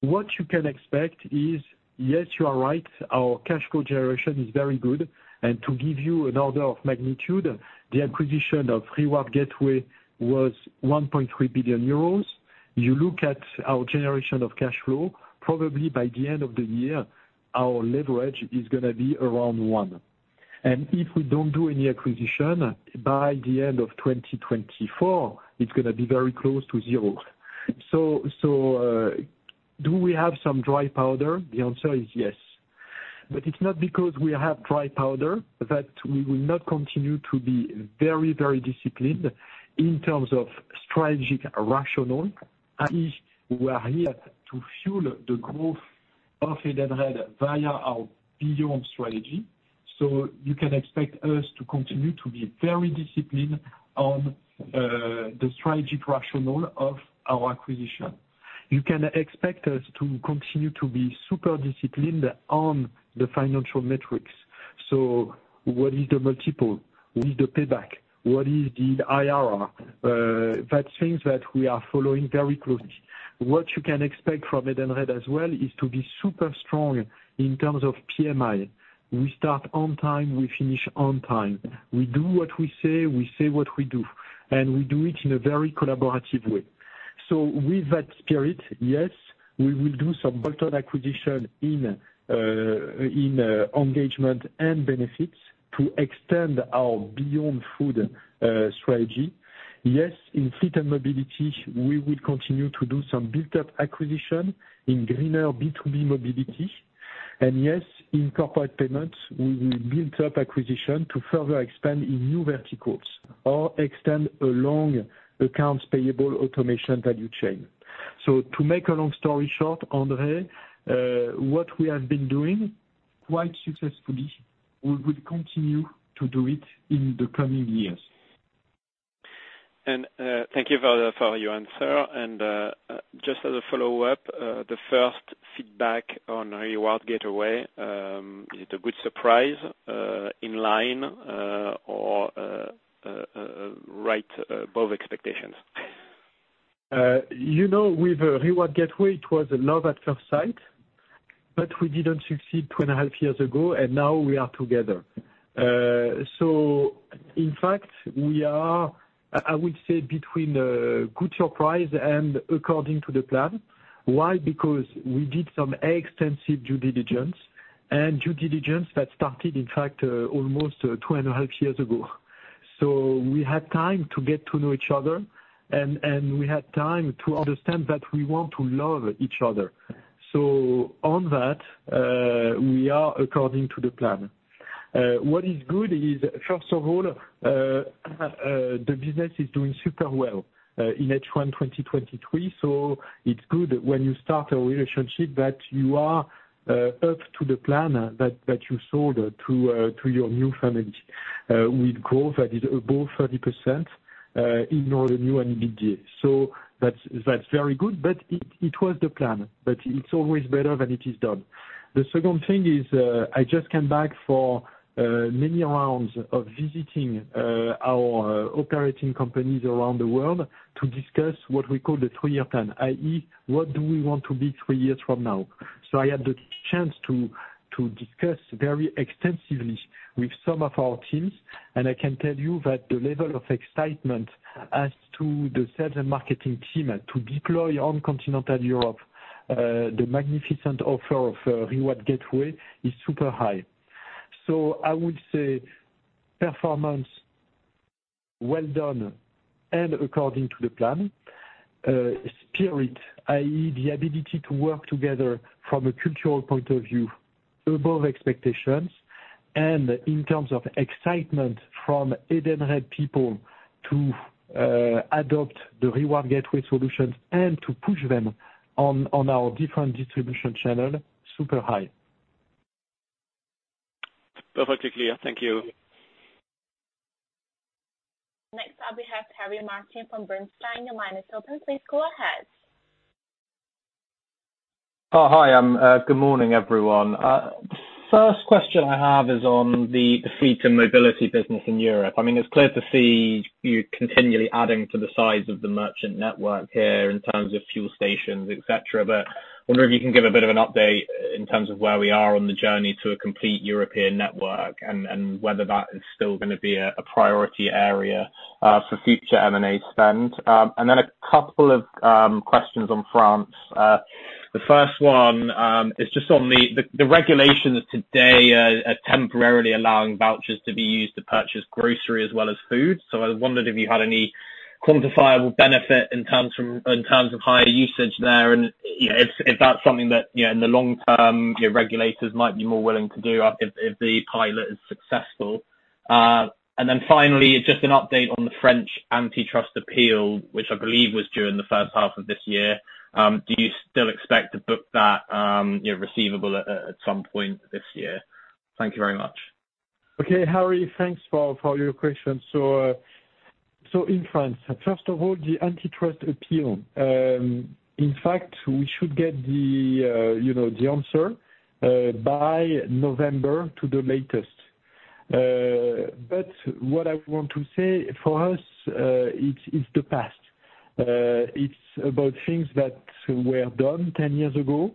What you can expect is, yes, you are right, our cash flow generation is very good. To give you an order of magnitude, the acquisition of Reward Gateway was 1.3 billion euros. You look at our generation of cash flow, probably by the end of the year, our leverage is gonna be around one. If we don't do any acquisition by the end of 2024, it's gonna be very close to zero. Do we have some dry powder? The answer is yes. It's not because we have dry powder, that we will not continue to be very disciplined in terms of strategic rationale. I.e., we are here to fuel the growth of Edenred via our beyond strategy. You can expect us to continue to be very disciplined on the strategic rationale of our acquisition. You can expect us to continue to be super disciplined on the financial metrics. What is the multiple? What is the payback? What is the IRR? That's things that we are following very closely. What you can expect from Edenred as well, is to be in terms of PMI, we start on time, we finish on time. We do what we say, we say what we do, and we do it in a very collaborative way. With that spirit, yes, we will do some bolt-on acquisition in engagement and benefits to extend our Beyond Food strategy. Yes, in fleet and mobility, we will continue to do some built-up acquisition in greener B2B mobility. Yes, in corporate payments, we will build up acquisition to further expand in new verticals or extend a long accounts payable automation value chain. To make a long story short, André, what we have been doing quite successfully, we will continue to do it in the coming years. Thank you for your answer. Just as a follow-up, the 1st feedback on Reward Gateway, is it a good surprise, in line, or right above expectations? You know, with Reward Gateway, it was a love at first sight, we didn't succeed 2.5 years ago, now we are together. In fact, we are, I would say, between a good surprise and according to the plan. Why? Because we did some extensive due diligence, and due diligence that started, in fact, almost 2.5 years ago. We had time to get to know each other, and we had time to understand that we want to love each other. On that, we are according to the plan. What is good is, first of all, the business is doing super well, in H1 2023. It's good when you start a relationship that you are up to the plan that you sold to your new family. With growth that is above 30% in all the new and media. That's very good, but it was the plan, but it's always better than it is done. The 2nd thing is I just came back for many rounds of visiting our operating companies around the world to discuss what we call the three-year plan, i.e., what do we want to be three years from now? I had the chance to discuss very extensively with some of our teams, and I can tell you that the level of excitement as to the sales and marketing team and to deploy on continental Europe the magnificent offer of Reward Gateway is super high. I would say performance, well done, and according to the plan, spirit, i.e., the ability to work together from a cultural point of view, above expectations, and in terms of excitement from Edenred people to adopt the Reward Gateway solutions and to push them on our different distribution channel, super high. Perfectly clear. Thank you. Next, we have Harry Martin from Bernstein. Your line is open. Please go ahead. Hi, good morning, everyone. First question I have is on the fleet and mobility business in Europe. I mean, it's clear to see you continually adding to the size of the merchant network here in terms of fuel stations, et cetera, but wonder if you can give a bit of an update in terms of where we are on the journey to a complete European network and whether that is still gonna be a priority area for future M&A spend. Then a couple of questions on France. The 1st one is just on the regulations today are temporarily allowing vouchers to be used to purchase grocery as well as food. I was wondering if you had any quantifiable benefit in terms of higher usage there, and, you know, if that's something that, you know, in the long term, your regulators might be more willing to do if the pilot is successful. Finally, just an update on the French antitrust appeal, which I believe was due in 1st Half of this year. Do you still expect to book that, you know, receivable at some point this year? Thank you very much. Okay, Harry, thanks for your questions. In France, first of all, the antitrust appeal. In fact, we should get, you know, the answer by November to the latest. What I want to say, for us, it's the past. It's about things that were done 10 years ago.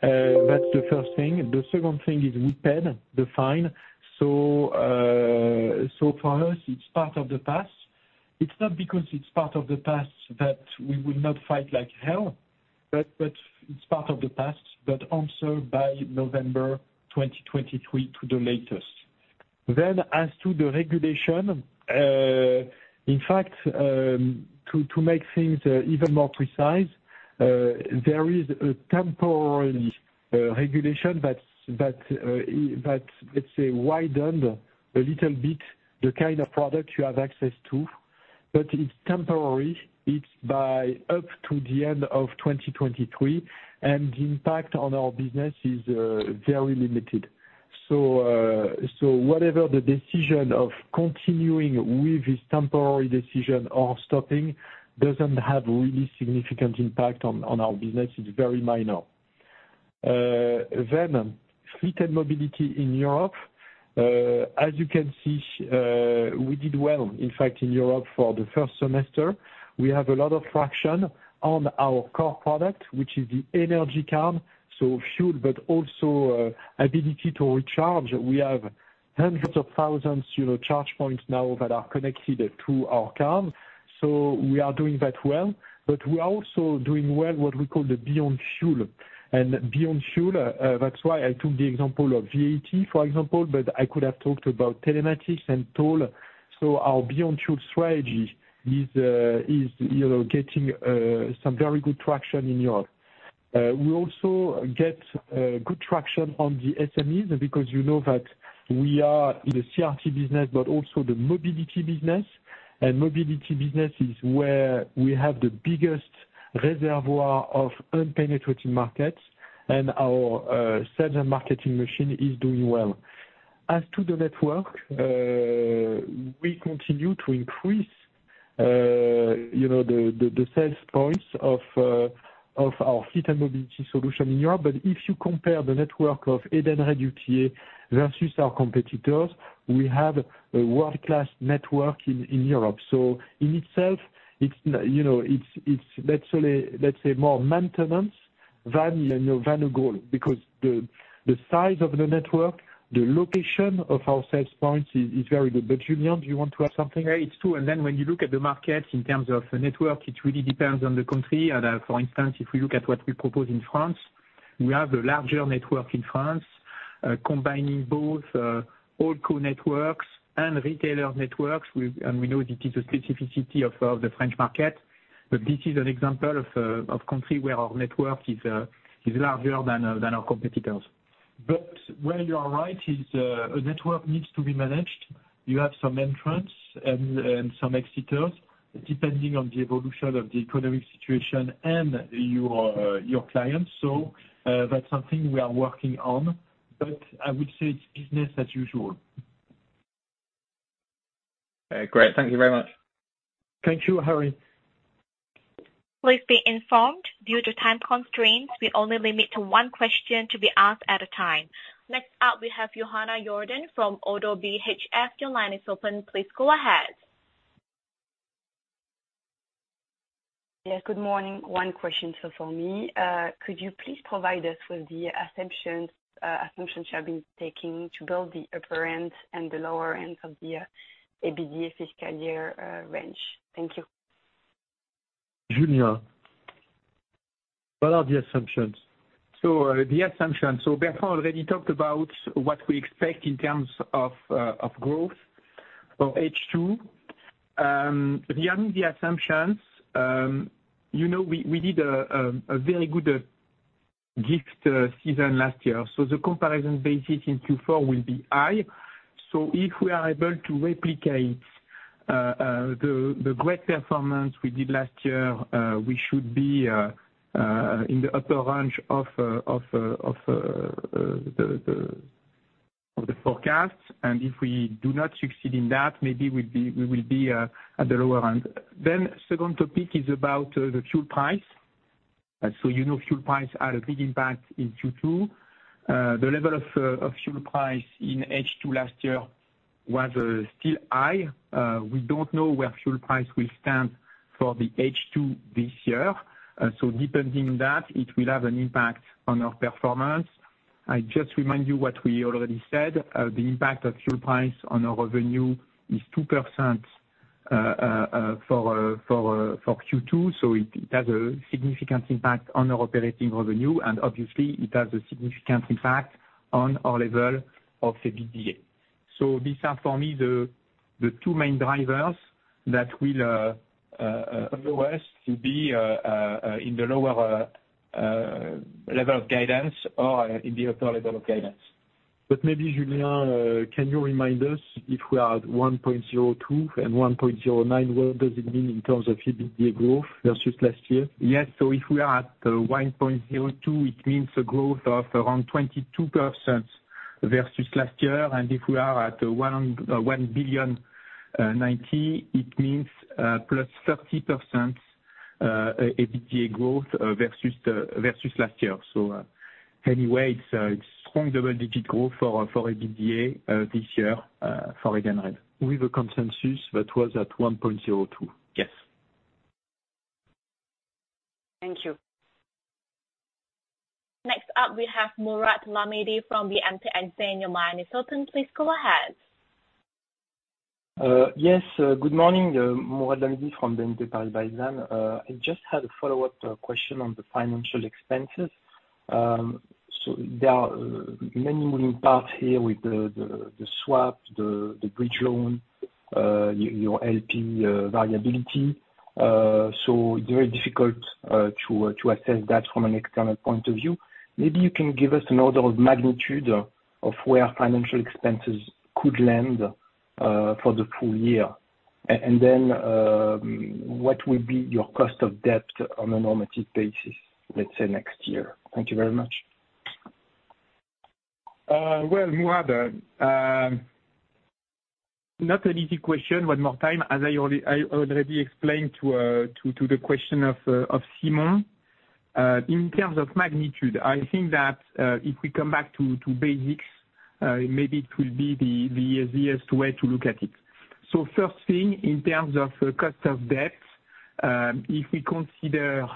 That's the 1st thing. The 2nd thing is we paid the fine. For us, it's part of the past. It's not because it's part of the past that we will not fight like hell, but it's part of the past, but also by November 2023 to the latest. As to the regulation, in fact, to make things even more precise, there is a temporary regulation that, let's say, widened a little bit the kind of product you have access to, but it's temporary. It's by up to the end of 2023, and the impact on our business is very limited. Whatever the decision of continuing with this temporary decision or stopping doesn't have really significant impact on our business. It's very minor. Fleet and mobility in Europe. As you can see, we did well, in fact, in Europe for the 1st semester. We have a lot of traction on our core product, which is the energy count, so fuel, but also ability to recharge. We have hundreds of thousands, you know, charge points now that are connected to our car. We are doing that well, but we're also doing well what we call the Beyond Fuel. Beyond Fuel, that's why I took the example of VAT, for example, but I could have talked about telematics and toll. Our Beyond Fuel strategy is, you know, getting some very good traction in Europe. We also get good traction on the SMEs, because you know that we are in the CRT business, but also the mobility business. Mobility business is where we have the biggest reservoir of unpenetrated markets, and our sales and marketing machine is doing well. As to the network, we continue to increase, you know, the sales points of our fleet and mobility solution in Europe. If you compare the network of UTA Edenred versus our competitors, we have a world-class network in Europe. In itself, it's you know, it's let's say more maintenance than, you know, than a goal, because the size of the network, the location of our sales points is very good. Julien, do you want to add something? Yeah, it's true. When you look at the market in terms of the network, it really depends on the country. For instance, if we look at what we propose in France, we have the larger network in France, combining both old core networks and retailer networks. We know this is a specificity of the French market. This is an example of country where our network is larger than our competitors. Where you are right is, a network needs to be managed. You have some entrants and some exiters, depending on the evolution of the economic situation and your clients. That's something we are working on, but I would say it's business as usual. Great. Thank you very much. Thank you, Harry. Please be informed, due to time constraints, we only limit to one question to be asked at a time. Next up, we have Johanna Jourdain from ODDO BHF. Your line is open, please go ahead. Yes, good morning. One question for me. Could you please provide us with the assumptions you have been taking to build the upper end and the lower end of the EBITDA fiscal year range? Thank you. Julien, what are the assumptions? The assumptions, so Bertrand already talked about what we expect in terms of growth for H2. Beyond the assumptions, you know, we did a very good gift season last year, so the comparison basis in Q4 will be high. If we are able to replicate the great performance we did last year, we should be in the upper range of the forecasts. If we do not succeed in that, maybe we will be at the lower end. Second topic is about the fuel price. You know, fuel price had a big impact in Q2. The level of fuel price in H2 last year was still high. We don't know where fuel price will stand for the H2 this year. Depending on that, it will have an impact on our performance. I just remind you what we already said, the impact of fuel price on our revenue is 2% for Q2, it has a significant impact on our operating revenue, and obviously, it has a significant impact on our level of EBITDA. These are, for me, the two main drivers that will allow us to be in the lower level of guidance or in the upper level of guidance. maybe, Julien, can you remind us if we are at 1.02 billion and 1.09 billion, what does it mean in terms of EBITDA growth versus last year? Yes. If we are at 1.02 billion, it means a growth of around 22% versus last year. If we are at 1.09 billion, it means +30% EBITDA growth versus last year. Anyway, it's a strong double-digit growth for EBITDA this year, for Edenred. With the consensus that was at 1.02. Yes. Thank you. Next up, we have Mourad Lahmidi from BNP, and then your line is open. Please go ahead. Yes, good morning. Mourad Lahmidi from BNP Paribas. I just had a follow-up question on the financial expenses. There are many moving parts here with the, the swap, the bridge loan, your LP, variability. Very difficult to assess that from an external point of view. Maybe you can give us an order of magnitude of where financial expenses could land for the full year. What will be your cost of debt on a normative basis, let's say, next year? Thank you very much. Mourad, not an easy question, one more time, as I already explained to the question of Simon. In terms of magnitude, I think that if we come back to basics, maybe it will be the easiest way to look at it. First thing, in terms of cost of debt, if we consider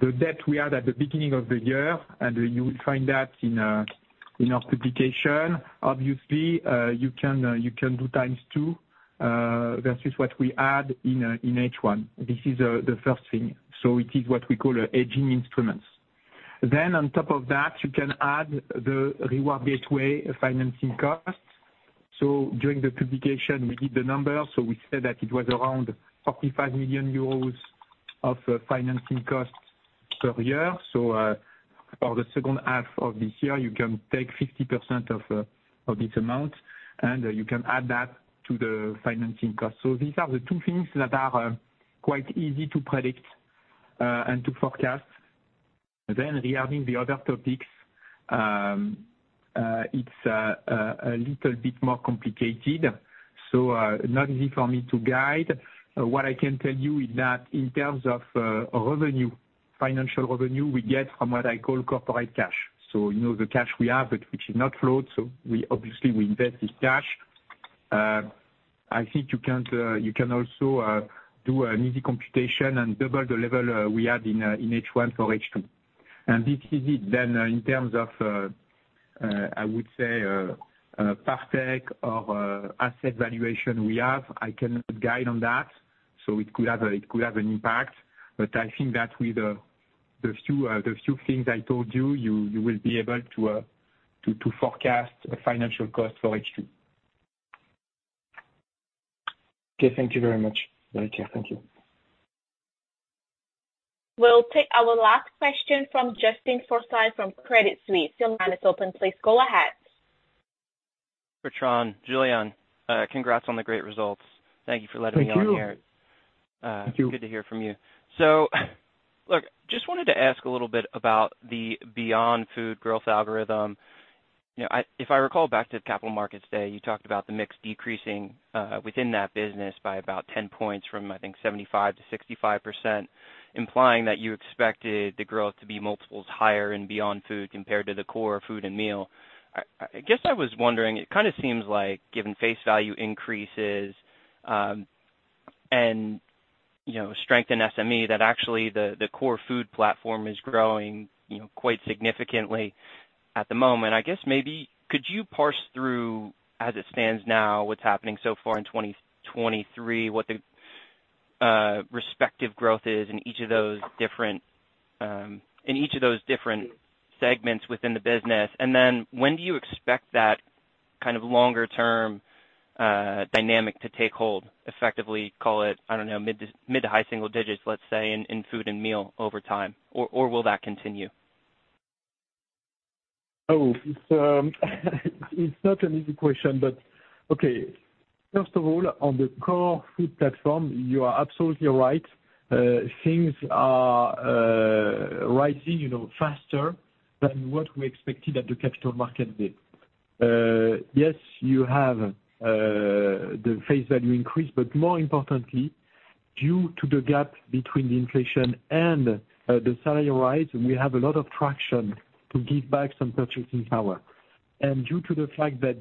the debt we had at the beginning of the year, and you will find that in our publication, obviously, you can do times 2 versus what we add in H1. This is the 1st thing. It is what we call a aging instruments. On top of that, you can add the Reward Gateway financing cost. During the publication, we give the number, we said that it was around 45 million euros of financing costs per year. For the 2nd Half of this year, you can take 50% of this amount, and you can add that to the financing cost. These are the two things that are quite easy to predict and to forecast. Regarding the other topics, it's a little bit more complicated, not easy for me to guide. What I can tell you is that in terms of revenue, financial revenue, we get from what I call corporate cash. You know, the cash we have, but which is not float, so we obviously we invest this cash. I think you can, you can also do an easy computation and double the level we had in H1 for H2. This is it in terms of, I would say, fair tech or asset valuation we have, I cannot guide on that, so it could have an impact. I think that with the few things I told you will be able to forecast a financial cost for H2. Thank you very much. Thank you. We'll take our last question from Justin Forsythe, from Credit Suisse. Your line is open, please go ahead. Bertrand, Julien, congrats on the great results. Thank you for letting me on here. Thank you. Good to hear from you. Look, just wanted to ask a little bit about the Beyond Food growth algorithm. You know, if I recall back to Capital Markets Day, you talked about the mix decreasing within that business by about 10 points from, I think, 75%-65%, implying that you expected the growth to be multiples higher in Beyond Food compared to the core food and meal. I guess I was wondering, it kinda seems like given face value increases, and, you know, strength in SME, that actually the core food platform is growing, you know, quite significantly at the moment. I guess maybe could you parse through, as it stands now, what's happening so far in 2023, what the respective growth is in each of those different, in each of those different segments within the business? When do you expect that kind of longer term dynamic to take hold, effectively, call it, I don't know, mid to high single digits, let's say, in food and meal over time, or will that continue? It's not an easy question, but okay. First of all, on the core food platform, you are absolutely right. Things are rising, you know, faster than what we expected at the Capital Markets Day. Yes, you have the face value increase, but more importantly, due to the gap between the inflation and the salary rise, we have a lot of traction to give back some purchasing power. Due to the fact that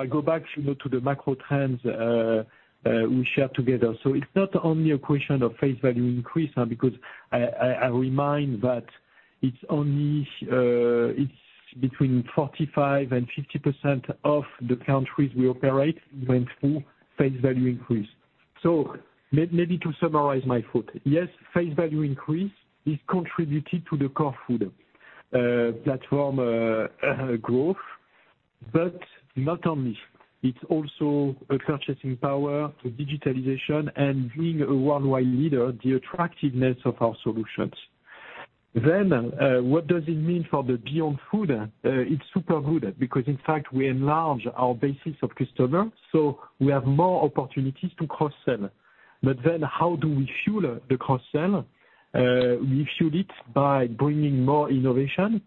I go back, you know, to the macro trends we share together. It's not only a question of face value increase now, because I remind that it's only between 45% and 50% of the countries we operate went through face value increase. Maybe to summarize my thought, yes, face value increase is contributed to the core food platform growth, but not only. It's also a purchasing power to digitalization and being a worldwide leader, the attractiveness of our solutions. What does it mean for the Beyond Food? It's super good, because in fact, we enlarge our basis of customer, we have more opportunities to cross-sell. How do we fuel the cross-sell? We fuel it by bringing more innovation.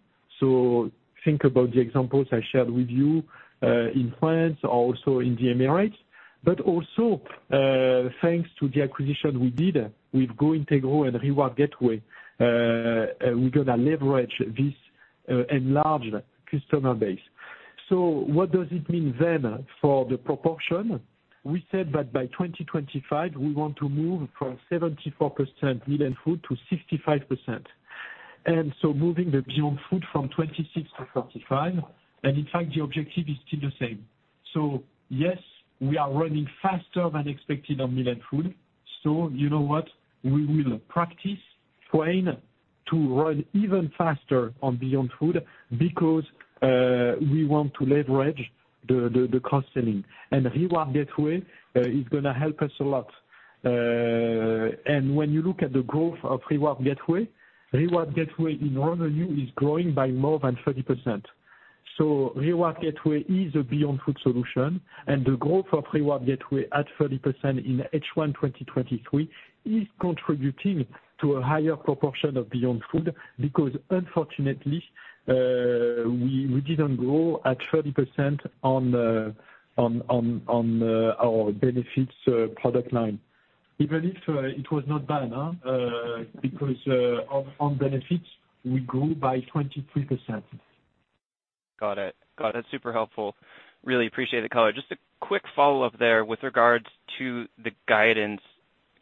Think about the examples I shared with you, in France, also in the Emirates, but also, thanks to the acquisition we did with GOintegro and Reward Gateway, we're gonna leverage this enlarged customer base. What does it mean then for the proportion? We said that by 2025, we want to move from 74% meal and food to 65%. Moving the Beyond Food from 26%-35%, and in fact, the objective is still the same. Yes, we are running faster than expected on meal and food. You know what? We will practice, train to run even faster on Beyond Food, because we want to leverage the cross-selling. Reward Gateway is gonna help us a lot. When you look at the growth of Reward Gateway, Reward Gateway in revenue is growing by more than 30%. Reward Gateway is a beyond food solution, and the growth of Reward Gateway at 30% in H1 2023 is contributing to a higher proportion of beyond food, because unfortunately, we didn't grow at 30% on our benefits product line. Even if it was not bad, huh? Because on benefits, we grew by 23%. Got it. Got it. Super helpful. Really appreciate the color. Just a quick follow-up there with regards to the guidance.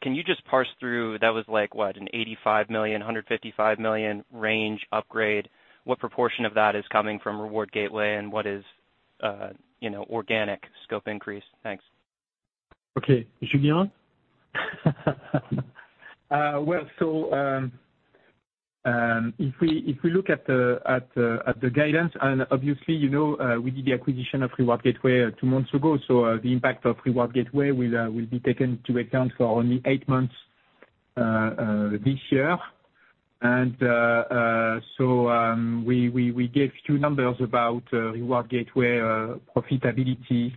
Can you just parse through, that was like, what, an 85 million-155 million range upgrade? What proportion of that is coming from Reward Gateway, and what is, you know, organic scope increase? Thanks. Okay, Julien? Well, if we look at the guidance, obviously, you know, we did the acquisition of Reward Gateway 2 months ago, so, the impact of Reward Gateway will be taken into account for only 8 months this year. So, we gave 2 numbers about Reward Gateway profitability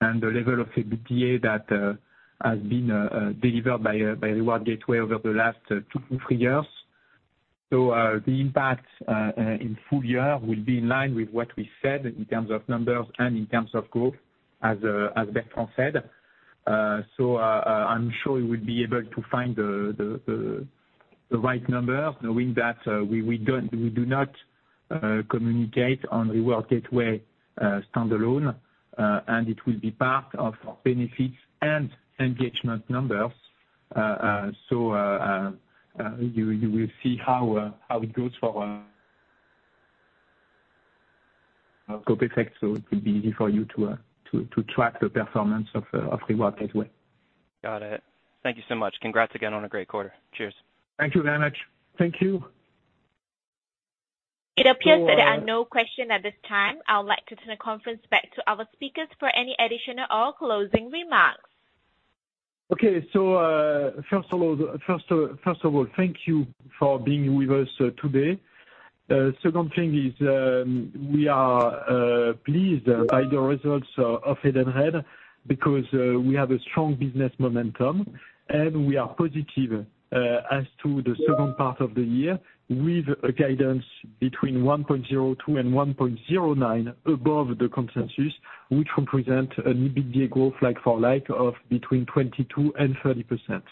and the level of EBITDA that has been delivered by Reward Gateway over the last 2 to 3 years. So, the impact in full year will be in line with what we said in terms of numbers and in terms of growth, as Bertrand said. I'm sure you would be able to find the right number, knowing that we do not communicate on Reward Gateway standalone. It will be part of benefits and engagement numbers. You will see how it goes, so it will be easy for you to track the performance of Reward Gateway. Got it. Thank you so much. Congrats again on a great quarter. Cheers. Thank you very much. Thank you. It appears that there are no question at this time. I would like to turn the conference back to our speakers for any additional or closing remarks. First of all, thank you for being with us today. Second thing is, we are pleased by the results of Edenred, because we have a strong business momentum, and we are positive as to the 2nd part of the year, with a guidance between 1.02 billion and 1.09 billion above the consensus, which represent an EBITDA growth, like for like, of between 22% and 30%.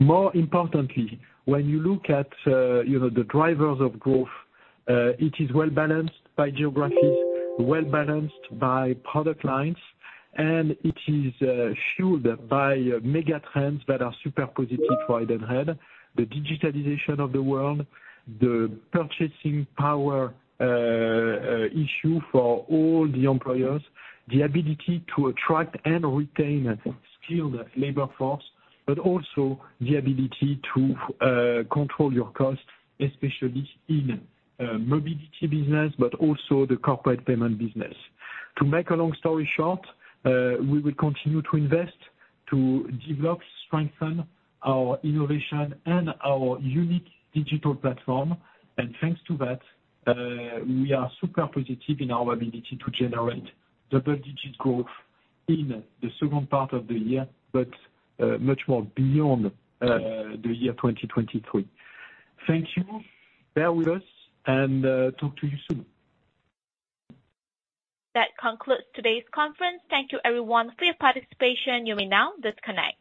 More importantly, when you look at, you know, the drivers of growth, it is well-balanced by geographies, well-balanced by product lines, and it is fueled by mega trends that are super positive for Edenred. The digitization of the world, the purchasing power issue for all the employers, the ability to attract and retain skilled labor force, but also the ability to control your costs, especially in mobility business, but also the corporate payment business. To make a long story short, we will continue to invest to develop, strengthen our innovation and our unique digital platform. Thanks to that, we are super positive in our ability to generate double-digit growth in the 2nd part of the year, but much more beyond the year 2023. Thank you. Bear with us, and talk to you soon. That concludes today's conference. Thank you everyone for your participation. You may now disconnect.